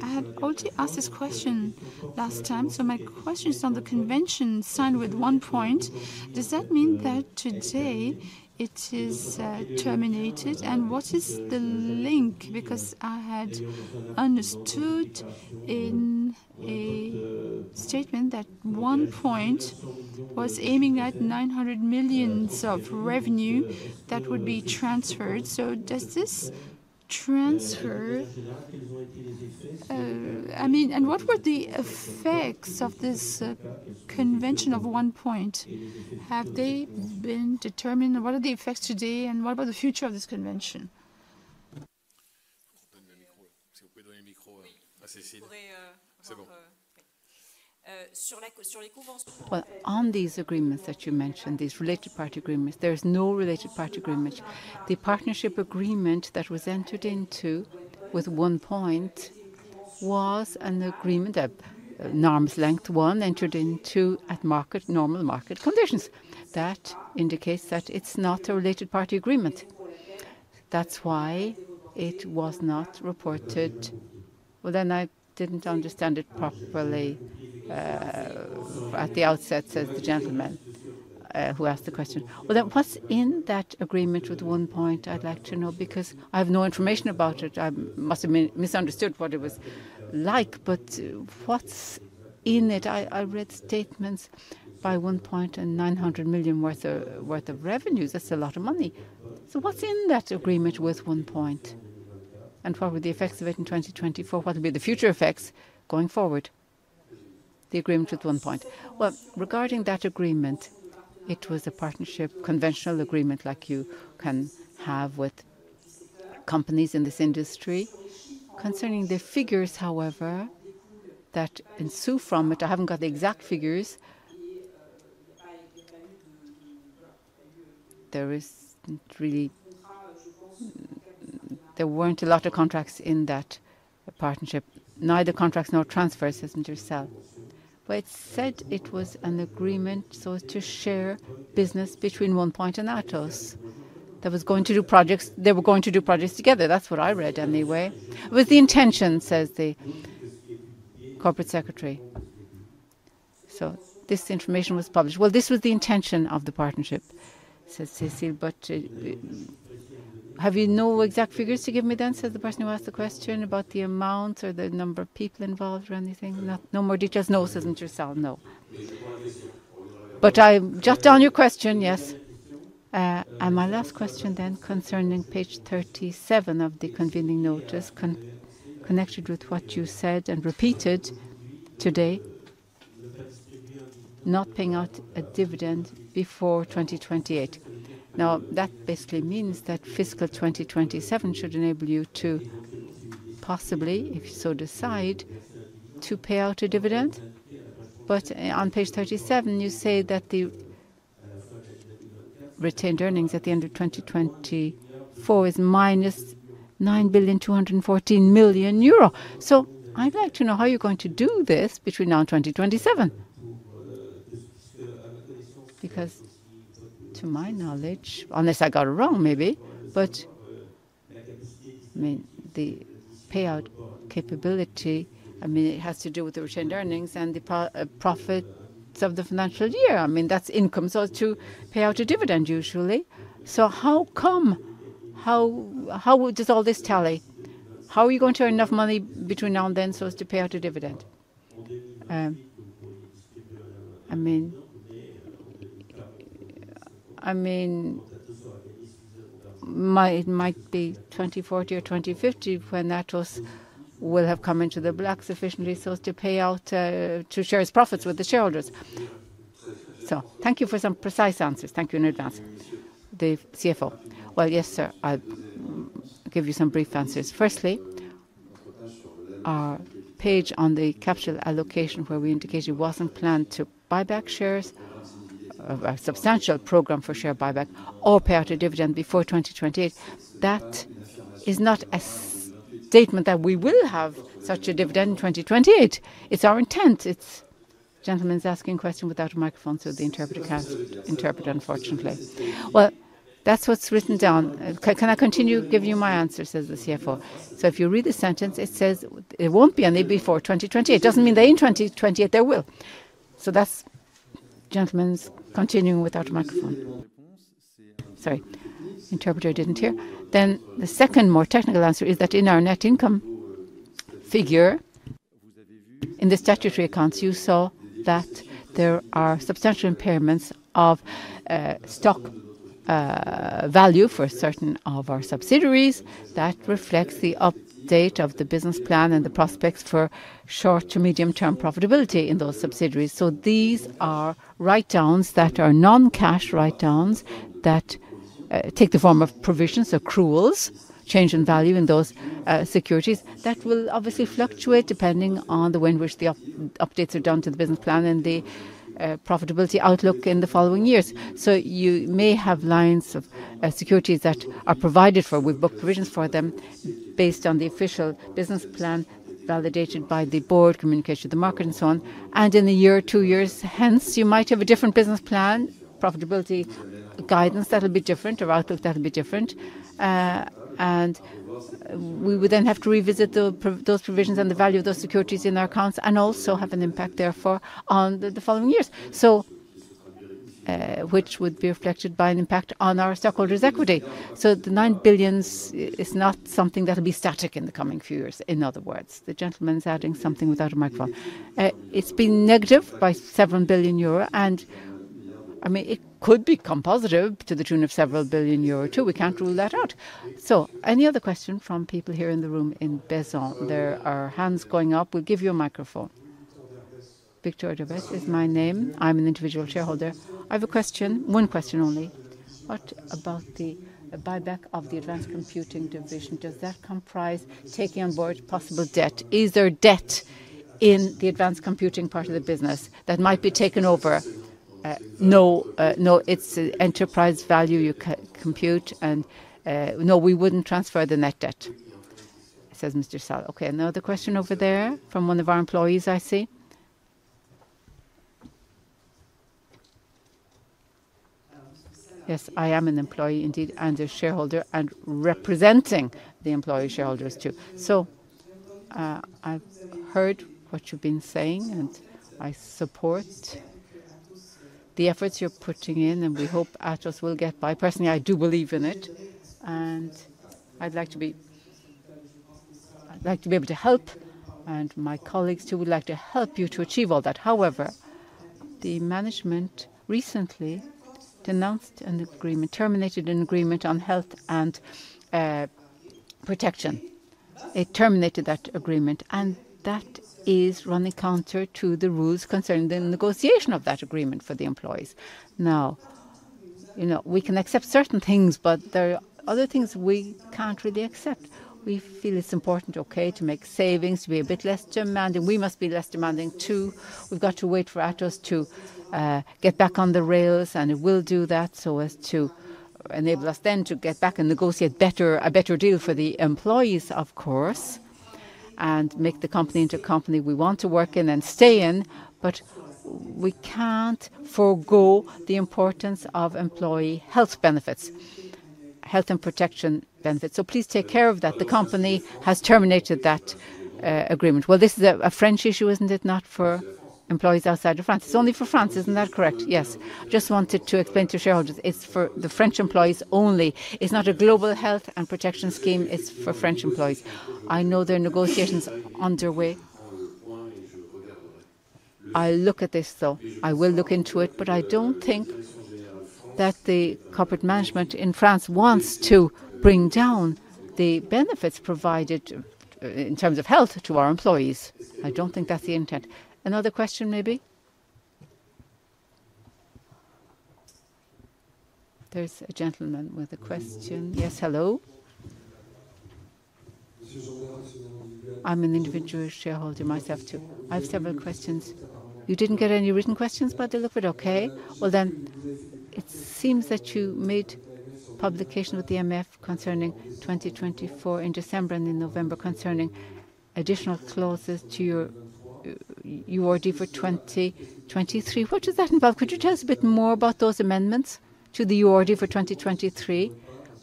I had already asked this question last time, my question is on the convention signed with one point. Does that mean that today it is terminated? And what is the link? Because I had understood in a statement that one point was aiming at $900 million of revenue that would be transferred. So does this transfer? I mean, and what were the effects of this convention of one point? Have they been determined? What are the effects today, and what about the future of this convention? Sur les conventions on a dit, on a mentionné des related party agreements, there is no related party agreement. The partnership agreement that was entered into with one point was an agreement of arms length one, entered into at normal market conditions. That indicates that it's not a related party agreement. That's why it was not reported. Well, then I didn't understand it properly at the outset, says the gentleman who asked the question. Well, then what's in that agreement with OnePoint? I'd like to know because I have no information about it. I must have misunderstood what it was like, but what's in it? I read statements by OnePoint and $900 million worth of revenues. That's a lot of money. What's in that agreement with OnePoint? What were the effects of it in 2024? What will be the future effects going forward? The agreement with OnePoint. Regarding that agreement, it was a partnership, conventional agreement like you can have with companies in this industry. Concerning the figures, however, that ensue from it, I haven't got the exact figures. There weren't a lot of contracts in that partnership, neither contracts nor transfers, says Mr. Sal. It said it was an agreement to share business between OnePoint and Atos. There was going to do projects. They were going to do projects together. That's what I read anyway. It was the intention, says the corporate secretary. So this information was published. Well, this was the intention of the partnership, says Cécile. But have you no exact figures to give me then, says the person who asked the question about the amounts or the number of people involved or anything? No more details? No, says Mr. Sal. No. But I'm just on your question, yes. My last question then concerning page 37 of the convening notice connected with what you said and repeated today. Not paying out a dividend before 2028. Now, that basically means that fiscal 2027 should enable you to possibly, if you so decide, to pay out a dividend. But on page 37, you say that the retained earnings at the end of 2024 is minus €9,214 million. So I'd like to know how you're going to do this between now and 2027. Because to my knowledge, unless I got it wrong maybe, but I mean, the payout capability, I mean, it has to do with the retained earnings and the profits of the financial year. I mean, that's income so as to pay out a dividend usually. How come? How does all this tally? How are you going to earn enough money between now and then so as to pay out a dividend? I mean, it might be 2040 or 2050 when Atos will have come into the black sufficiently so as to pay out to share its profits with the shareholders. Thank you for some precise answers. Thank you in advance. The CFO: Yes, sir. I'll give you some brief answers. Firstly, our page on the capital allocation where we indicate it wasn't planned to buy back shares, a substantial program for share buyback, or pay out a dividend before 2028. That is not a statement that we will have such a dividend in 2028. It's our intent. It's a gentleman asking a question without a microphone so the interpreter can't interpret, unfortunately. Well, that's what's written down. Can I continue giving you my answer, says the CFO? If you read the sentence, it says it won't be any before 2028. It doesn't mean that in 2028 there will. The gentleman's continuing without a microphone. Sorry. Interpreter didn't hear. Then the second more technical answer is that in our net income figure, in the statutory accounts, you saw that there are substantial impairments of stock value for certain of our subsidiaries. That reflects the update of the business plan and the prospects for short to medium-term profitability in those subsidiaries. These are write-downs that are non-cash write-downs that take the form of provisions, accruals, change in value in those securities that will obviously fluctuate depending on the way in which the updates are done to the business plan and the profitability outlook in the following years. You may have lines of securities that are provided for. We book provisions for them based on the official business plan validated by the board, communication to the market, and so on. In a year or two years, hence, you might have a different business plan, profitability guidance that will be different or outlook that will be different. We would then have to revisit those provisions and the value of those securities in our accounts and also have an impact therefore on the following years, which would be reflected by an impact on our stockholders' equity. The $9 billion is not something that will be static in the coming few years. In other words, the gentleman's adding something without a microphone. It's been negative by several billion euros. I mean, it could become positive to the tune of several billion euros too. We can't rule that out. Any other question from people here in the room in Baisan? There are hands going up. We'll give you a microphone. Victoria Davis is my name. I'm an individual shareholder. I have a question. One question only. What about the buyback of the advanced computing division? Does that comprise taking on board possible debt? Is there debt in the advanced computing part of the business that might be taken over? No, no, it's enterprise value you compute. And no, we wouldn't transfer the net debt, says Mr. Sal. Another question over there from one of our employees, I see. Yes, I am an employee indeed and a shareholder and representing the employee shareholders too. I've heard what you've been saying, and I support the efforts you're putting in, and we hope Atos will get by. Personally, I do believe in it. I'd like to be able to help, and my colleagues too would like to help you to achieve all that. However, the management recently denounced an agreement, terminated an agreement on health and protection. It terminated that agreement, and that is running counter to the rules concerning the negotiation of that agreement for the employees. Now, we can accept certain things, but there are other things we can't really accept. We feel it's important, okay, to make savings, to be a bit less demanding. We must be less demanding too. We've got to wait for Atos to get back on the rails, and it will do that so as to enable us then to get back and negotiate a better deal for the employees, of course, and make the company into a company we want to work in and stay in. But we can't forgo the importance of employee health benefits, health and protection benefits. So please take care of that. The company has terminated that agreement. This is a French issue, isn't it? Not for employees outside of France. It's only for France, isn't that correct? Yes. I just wanted to explain to shareholders. It's for the French employees only. It's not a global health and protection scheme. It's for French employees. I know there are negotiations underway. I'll look at this though. I will look into it, but I don't think that the corporate management in France wants to bring down the benefits provided in terms of health to our employees. I don't think that's the intent. Another question maybe? There's a gentleman with a question. Yes, hello. I'm an individual shareholder myself too. I have several questions. You didn't get any written questions by the look of it? Okay. Well, then it seems that you made publication with the AMF concerning 2024 in December and in November concerning additional clauses to your UORD for 2023. What does that involve? Could you tell us a bit more about those amendments to the UORD for 2023?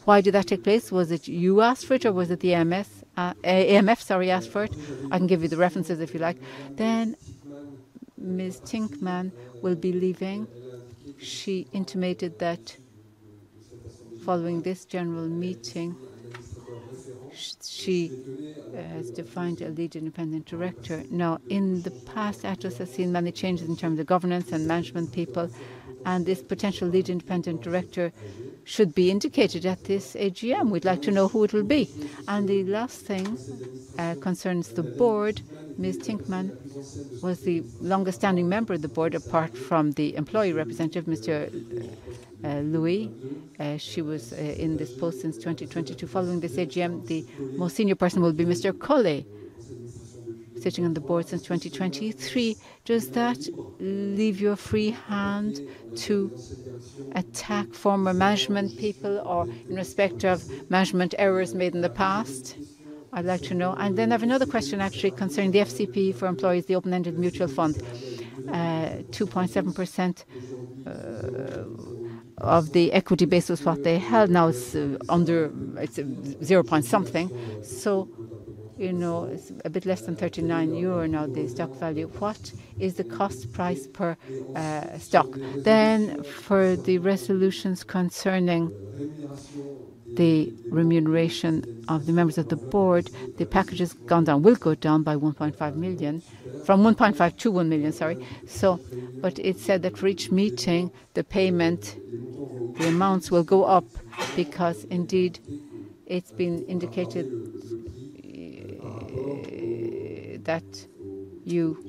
Why did that take place? Was it you who asked for it, or was it the MF? Sorry, asked for it. I can give you the references if you like. Then Ms. Tinkman will be leaving. She intimated that following this general meeting, she has defined a lead independent director. Now, in the past, Atos has seen many changes in terms of governance and management people, and this potential lead independent director should be indicated at this AGM. We'd like to know who it will be. The last thing concerns the board. Ms. Tinkman was the longest standing member of the board apart from the employee representative, Mr. Louis. She was in this post since 2022. Following this AGM, the most senior person will be Mr. Collet, sitting on the board since 2023. Does that leave you a free hand to attack former management people or in respect of management errors made in the past? I'd like to know. I have another question, actually, concerning the FCP for employees, the open-ended mutual fund. 2.7% of the equity base was what they held. Now it's under 0.something. So it's a bit less than €39 now, the stock value. What is the cost price per stock? For the resolutions concerning the remuneration of the members of the board, the package has gone down. Will go down by €1.5 million. From €1.5 to €1 million, sorry. But it said that for each meeting, the payment, the amounts will go up because indeed it's been indicated that you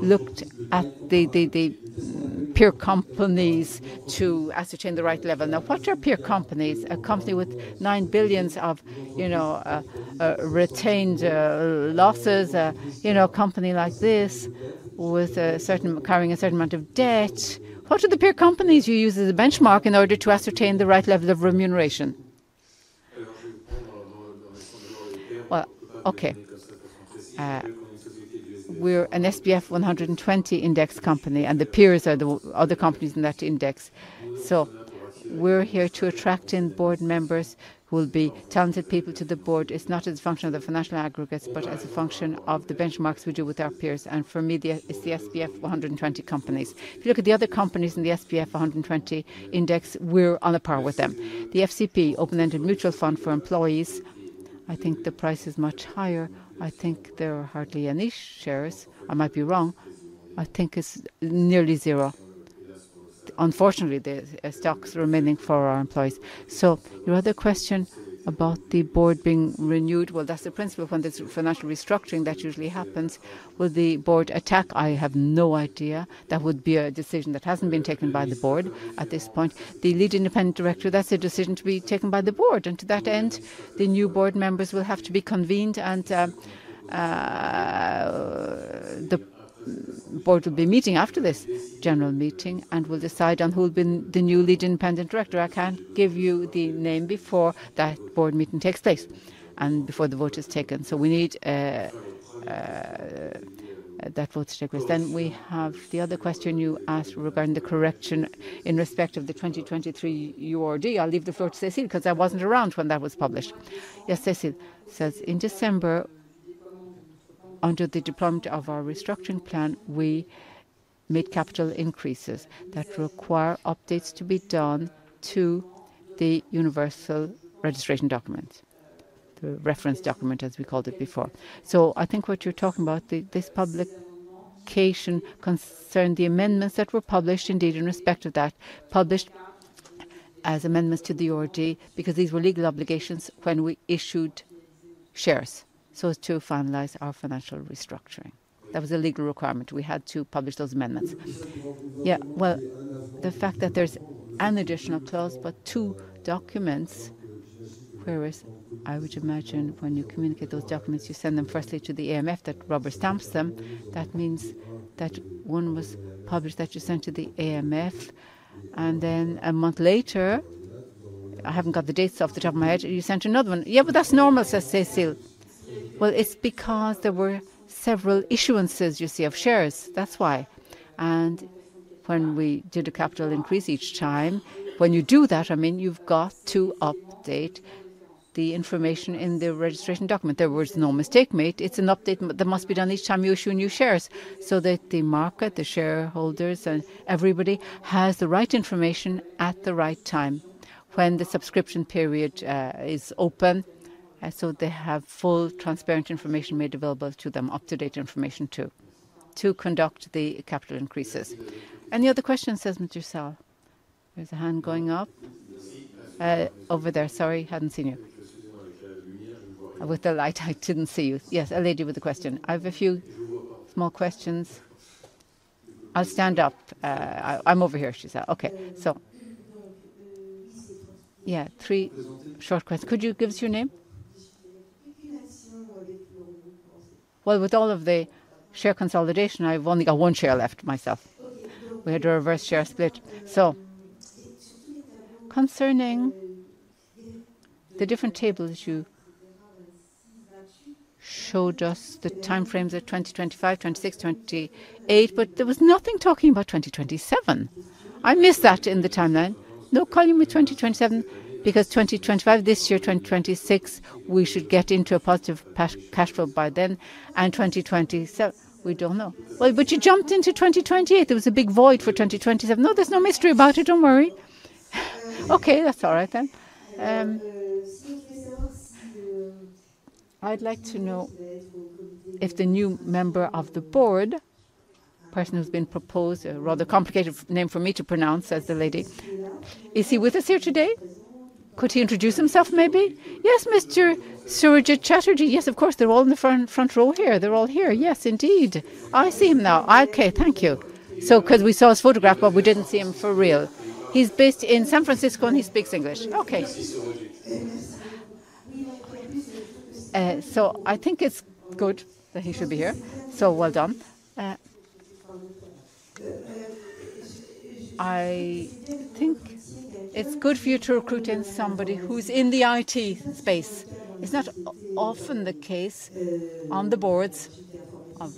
looked at the peer companies to ascertain the right level. Now, what are peer companies? A company with €9 billion of retained losses, a company like this with a certain carrying a certain amount of debt. What are the peer companies you use as a benchmark in order to ascertain the right level of remuneration? We're an SBF 120 index company, and the peers are the other companies in that index. So we're here to attract board members who will be talented people to the board. It's not as a function of the financial aggregates, but as a function of the benchmarks we do with our peers. For me, it's the SBF 120 companies. If you look at the other companies in the SBF 120 index, we're on a par with them. The FCP, open-ended mutual fund for employees, I think the price is much higher. I think there are hardly any niche shares. I might be wrong. I think it's nearly zero. Unfortunately, the stocks remaining for our employees. Your other question about the board being renewed, well, that's the principle of when there's financial restructuring that usually happens. Will the board attack? I have no idea. That would be a decision that hasn't been taken by the board at this point. The Lead Independent Director, that's a decision to be taken by the board. To that end, the new board members will have to be convened, and the board will be meeting after this general meeting and will decide on who will be the new Lead Independent Director. I can't give you the name before that board meeting takes place and before the vote is taken. We need that vote to take place. Then we have the other question you asked regarding the correction in respect of the 2023 UORD. I'll leave the floor to Cécile because I wasn't around when that was published. Yes, Cécile says, "In December, under the deployment of our restructuring plan, we made capital increases that require updates to be done to the universal registration document, the reference document, as we called it before." I think what you're talking about, this publication concerned the amendments that were published indeed in respect of that, published as amendments to the UORD because these were legal obligations when we issued shares. To finalize our financial restructuring, that was a legal requirement. We had to publish those amendments. The fact that there's an additional clause, but two documents, whereas I would imagine when you communicate those documents, you send them firstly to the AMF that rubber-stamps them. That means that one was published that you sent to the AMF. Then a month later, I haven't got the dates off the top of my head, you sent another one. "Yeah, but that's normal," says Cécile. "Well, it's because there were several issuances, you see, of shares. That's why." When we did a capital increase each time, when you do that, I mean, you've got to update the information in the registration document. There was no mistake made. It's an update that must be done each time you issue new shares so that the market, the shareholders, and everybody has the right information at the right time when the subscription period is open. So they have full transparent information made available to them, up-to-date information too, to conduct the capital increases. The other question, says Mr. Sal. There's a hand going up over there. Sorry, I hadn't seen you. With the light, I didn't see you. Yes, a lady with a question. I have a few small questions. I'll stand up. I'm over here, she said. Okay. Three short questions. Could you give us your name? Well, with all of the share consolidation, I've only got one share left myself. We had to reverse share split. Concerning the different tables you showed us, the timeframes are 2025, 2026, 2028, but there was nothing talking about 2027. I missed that in the timeline. No, calling me 2027 because 2025, this year, 2026, we should get into a positive cash flow by then. 2027, we don't know. Well, but you jumped into 2028. There was a big void for 2027. No, there's no mystery about it. Don't worry. That's all right then. I'd like to know if the new member of the board, person who's been proposed, a rather complicated name for me to pronounce as the lady, is he with us here today? Could he introduce himself maybe? Yes, Mr. Sergeant Chatterjee. Yes, of course. They're all in the front row here. They're all here. Yes, indeed. I see him now. Okay, thank you. Because we saw his photograph, but we didn't see him for real. He's based in San Francisco and he speaks English. Okay. I think it's good that he should be here. Well done. I think it's good for you to recruit somebody who's in the IT space. It's not often the case on the boards of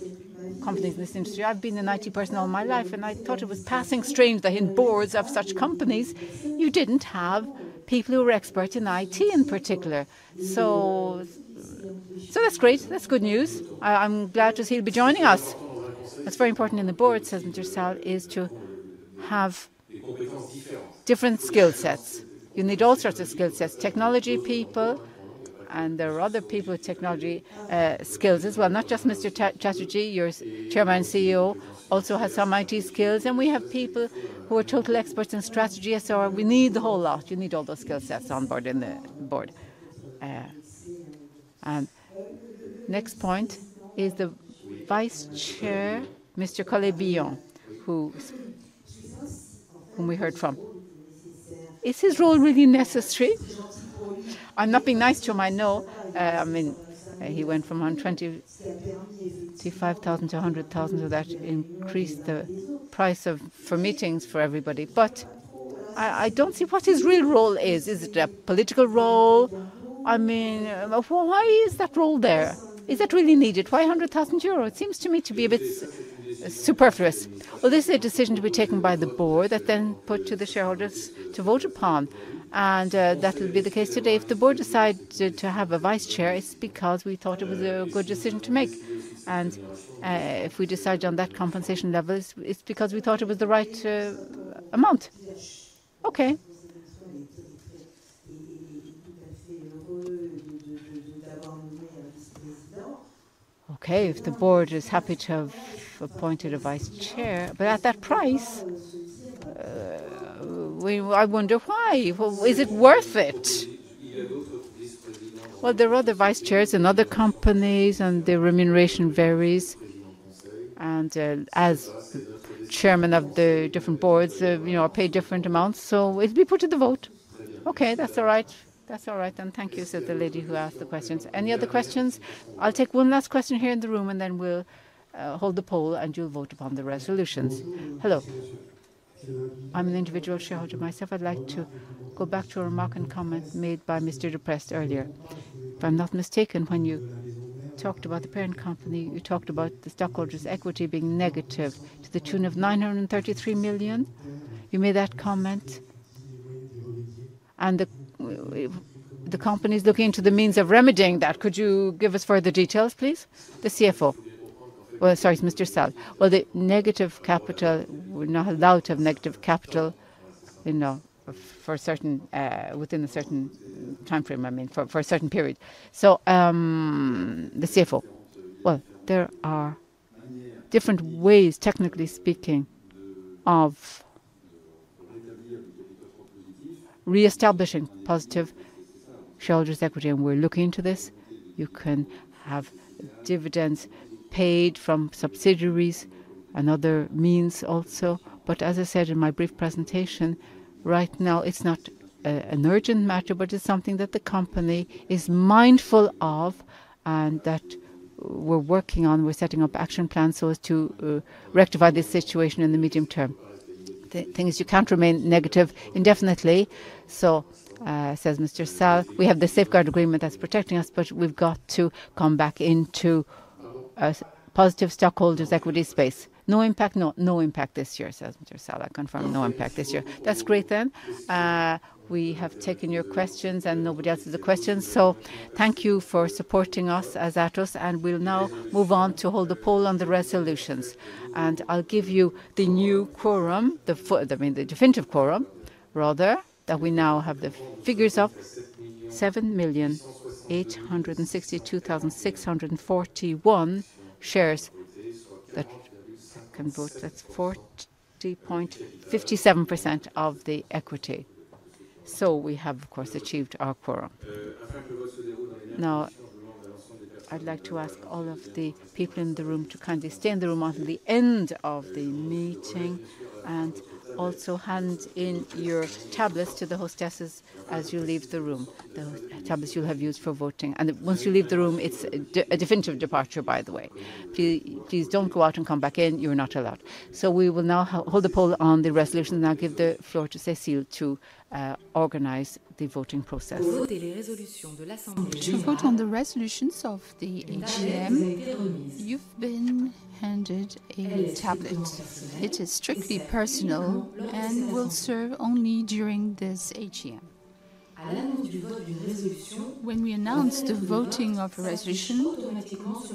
companies in this industry. I've been an IT person all my life, and I thought it was passing strange that in boards of such companies, you didn't have people who were experts in IT in particular. That's great. That's good news. I'm glad to see he'll be joining us. That's very important in the board, says Mr. Sal, is to have different skill sets. You need all sorts of skill sets. Technology people, and there are other people with technology skills as well. Not just Mr. Chatterjee. Your chairman and CEO also has some IT skills. We have people who are total experts in strategy. So we need the whole lot. You need all those skill sets on board in the board. The next point is the Vice Chair, Mr. Collet-Billon, whom we heard from. Is his role really necessary? I'm not being nice to him. I know. I mean, he went from €125,000 to €100,000 so that increased the price for meetings for everybody. I don't see what his real role is. Is it a political role? I mean, why is that role there? Is that really needed? Why €100,000? It seems to me to be a bit superfluous. Well, this is a decision to be taken by the board that then put to the shareholders to vote upon. And that will be the case today. If the board decided to have a vice chair, it's because we thought it was a good decision to make. And if we decide on that compensation level, it's because we thought it was the right amount. Okay. Okay, if the board is happy to have appointed a vice chair, but at that price, I wonder why. Is it worth it? There are other vice chairs in other companies, and the remuneration varies. And as chairman of the different boards, I pay different amounts. So it'll be put to the vote. Okay, that's all right. That's all right then. Thank you, sir, the lady who asked the questions. Any other questions? I'll take one last question here in the room, and then we'll hold the poll, and you'll vote upon the resolutions. Hello. I'm an individual shareholder myself. I'd like to go back to a remark and comment made by Mr. Dupré earlier. If I'm not mistaken, when you talked about the parent company, you talked about the stockholders' equity being negative to the tune of $933 million. You made that comment. The company is looking into the means of remedying that. Could you give us further details, please? The CFO. Sorry, it's Mr. Sal. The negative capital, we're not allowed to have negative capital for certain within a certain timeframe, I mean, for a certain period. So the CFO. There are different ways, technically speaking, of reestablishing positive shareholders' equity. We're looking into this. You can have dividends paid from subsidiaries, another means also. But as I said in my brief presentation, right now, it's not an urgent matter, but it's something that the company is mindful of and that we're working on. We're setting up action plans so as to rectify this situation in the medium term. Things can't remain negative indefinitely, so says Mr. Sal. We have the safeguard agreement that's protecting us, but we've got to come back into a positive stockholders' equity space. No impact? No, no impact this year, says Mr. Sal. I confirm no impact this year. That's great then. We have taken your questions, and nobody else has a question. Thank you for supporting us as Atos. We'll now move on to hold the poll on the resolutions. I'll give you the new quorum, the definitive quorum, rather, that we now have the figures of 7,862,641 shares that can vote. That's 40.57% of the equity. So we have, of course, achieved our quorum. Now, I'd like to ask all of the people in the room to kindly stay in the room until the end of the meeting and also hand in your tablets to the hostesses as you leave the room. The tablets you'll have used for voting. Once you leave the room, it's a definitive departure, by the way. Please don't go out and come back in. You're not allowed. So we will now hold the poll on the resolutions. Now I'll give the floor to Cécile to organize the voting process. Et les résolutions de l'Assemblée. To vote on the resolutions of the AGM, you've been handed a tablet. It is strictly personal and will serve only during this AGM. When we announce the voting of a resolution,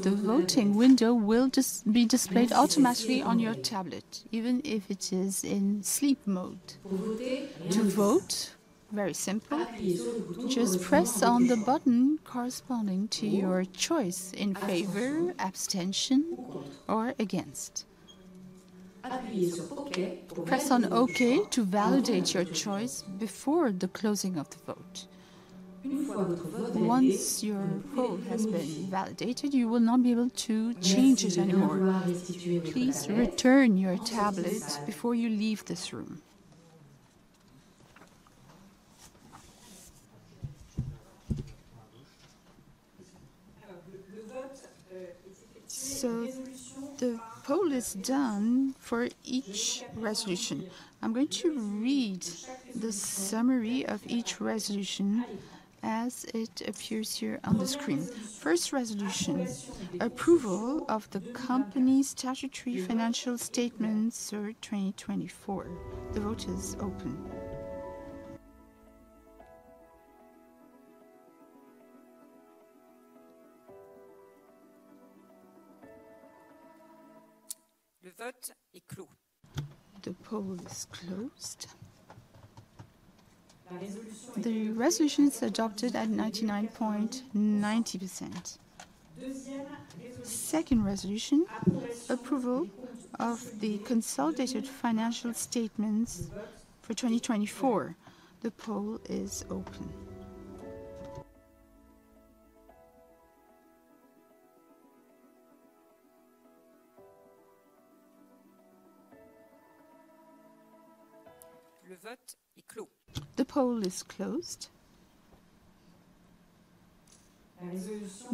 the voting window will be displayed automatically on your tablet, even if it is in sleep mode. To vote, very simple. Just press on the button corresponding to your choice in favor, abstention, or against. Press on OK to validate your choice before the closing of the vote. Once your poll has been validated, you will not be able to change it anymore. Please return your tablet before you leave this room. So the poll is done for each resolution. I'm going to read the summary of each resolution as it appears here on the screen. First resolution, approval of the company's statutory financial statements, 2024. The vote is open. Le vote est clos. The poll is closed. The resolution is adopted at 99.90%. Second resolution, approval of the consolidated financial statements for 2024. The poll is open. Le vote est clos. The poll is closed.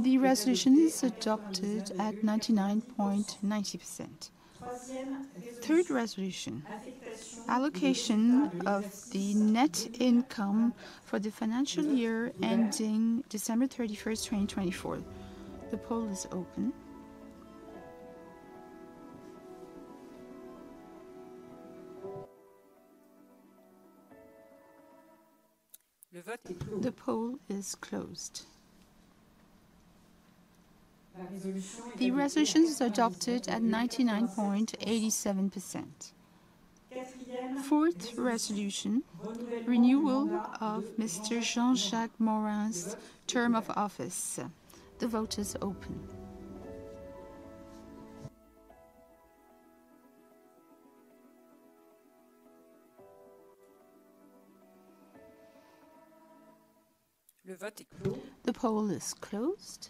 The resolution is adopted at 99.90%. Third resolution, allocation of the net income for the financial year ending December 31st, 2024. The poll is open. The vote is closed. The poll is closed. The resolution is adopted at 99.87%. Fourth resolution, renewal of Mr. Jean-Jacques Morin's term of office. The vote is open. The vote is closed. The poll is closed.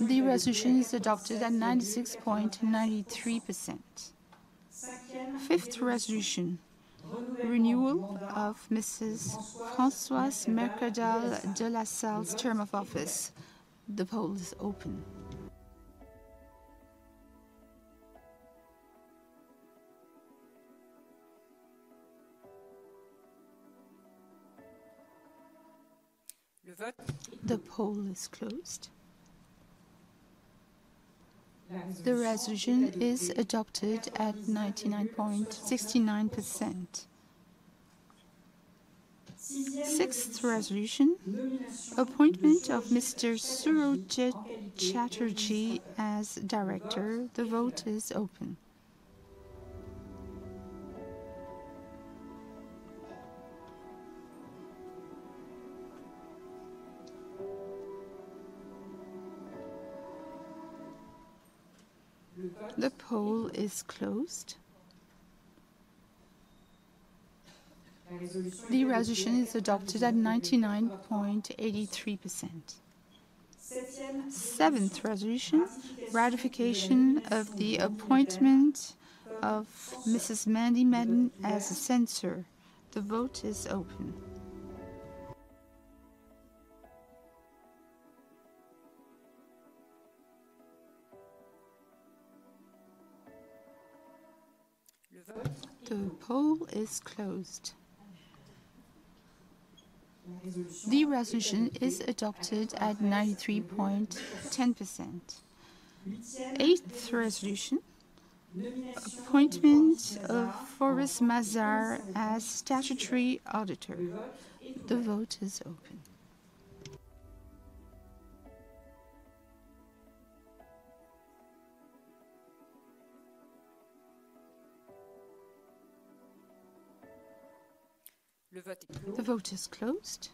The resolution is adopted at 96.93%. Fifth resolution, renewal of Mrs. Françoise Mercadal de la Salle's term of office. The poll is open. The vote is closed. The resolution is adopted at 99.69%. Sixth resolution, appointment of Mr. Sergeant Chatterjee as director. The vote is open. The poll is closed. The resolution is adopted at 99.83%. Seventh resolution, ratification of the appointment of Mrs. Mandy Madden as a censor. The vote is open. The poll is closed. The resolution is adopted at 93.10%. Eighth resolution, appointment of Forest Mazar as statutory auditor. The vote is open. The vote is closed.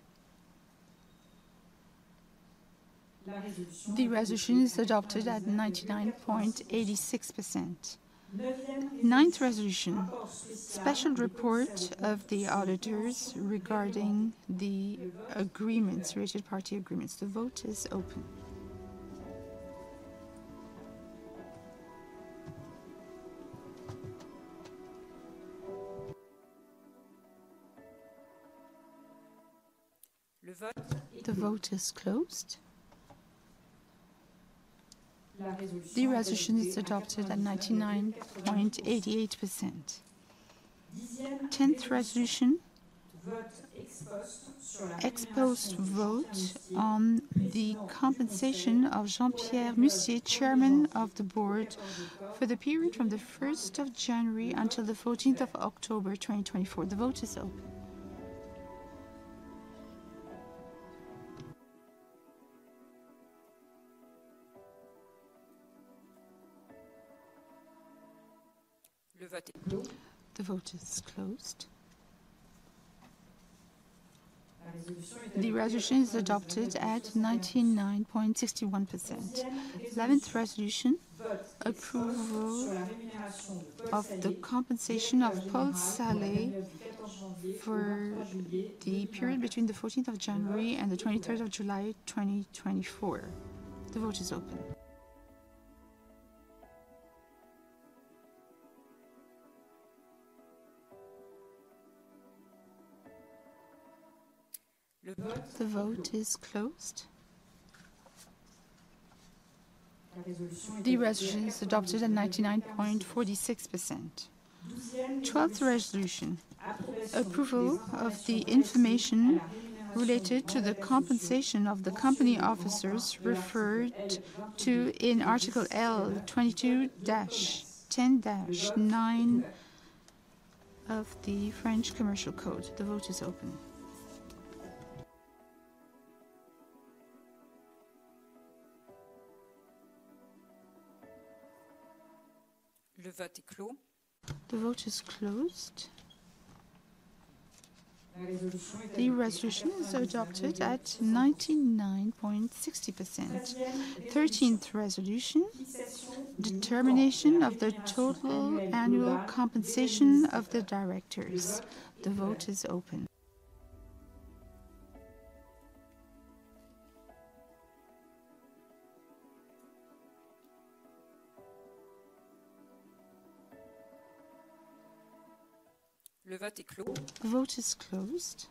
The resolution is adopted at 99.86%. Ninth resolution, special report of the auditors regarding the agreements, related party agreements. The vote is open. The vote is closed. The resolution is adopted at 99.88%. Tenth resolution, advisory vote on the compensation of Jean-Pierre Musier, Chairman of the Board, for the period from January 1st until October 14th, 2024. The vote is open. The vote is closed. The resolution is adopted at 99.61%. Eleventh resolution, approval of the compensation of Paul Saley for the period between January 14th and July 23rd, 2024. The vote is open. The vote is closed. The resolution is adopted at 99.46%. Twelfth resolution, approval of the information related to the compensation of the company officers referred to in Article L22-10-9 of the French Commercial Code. The vote is open. The vote is closed. The resolution is adopted at 99.60%. Thirteenth resolution, determination of the total annual compensation of the directors. The vote is open. The vote is closed.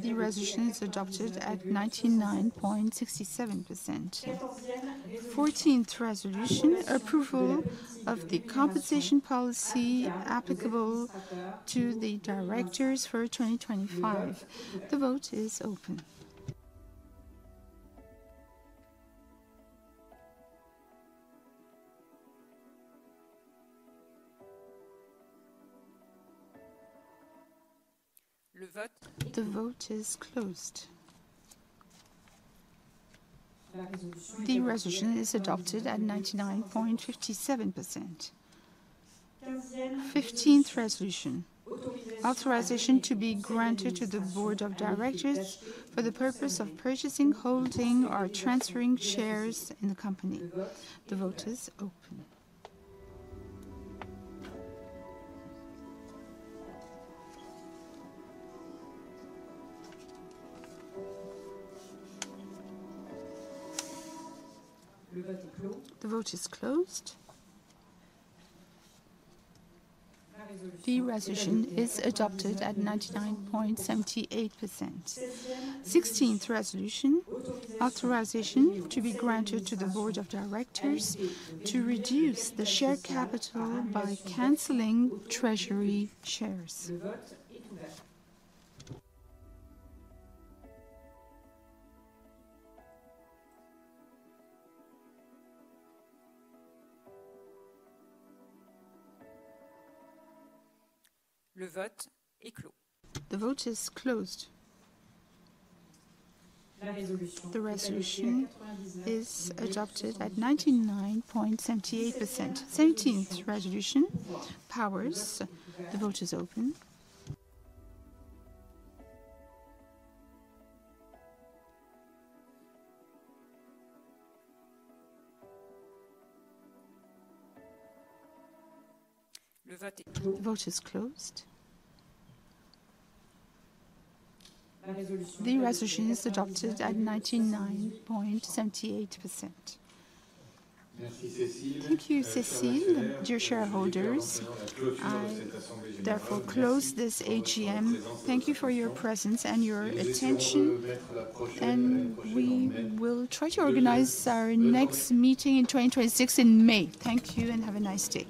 The resolution is adopted at 99.67%. Fourteenth resolution, approval of the compensation policy applicable to the directors for 2025. The vote is open. The vote is closed. The resolution is adopted at 99.57%. Fifteenth resolution, authorization to be granted to the board of directors for the purpose of purchasing, holding, or transferring shares in the company. The vote is open. The vote is closed. The resolution is adopted at 99.78%. Sixteenth resolution, authorization to be granted to the board of directors to reduce the share capital by canceling treasury shares. Le vote est clos. The vote is closed. The resolution is adopted at 99.78%. Seventeenth resolution, powers. The vote is open. Le vote est clos. The resolution is adopted at 99.78%. Thank you, Cécile, dear shareholders. Therefore, close this AGM. Thank you for your presence and your attention. We will try to organize our next meeting in 2026 in May. Thank you and have a nice day.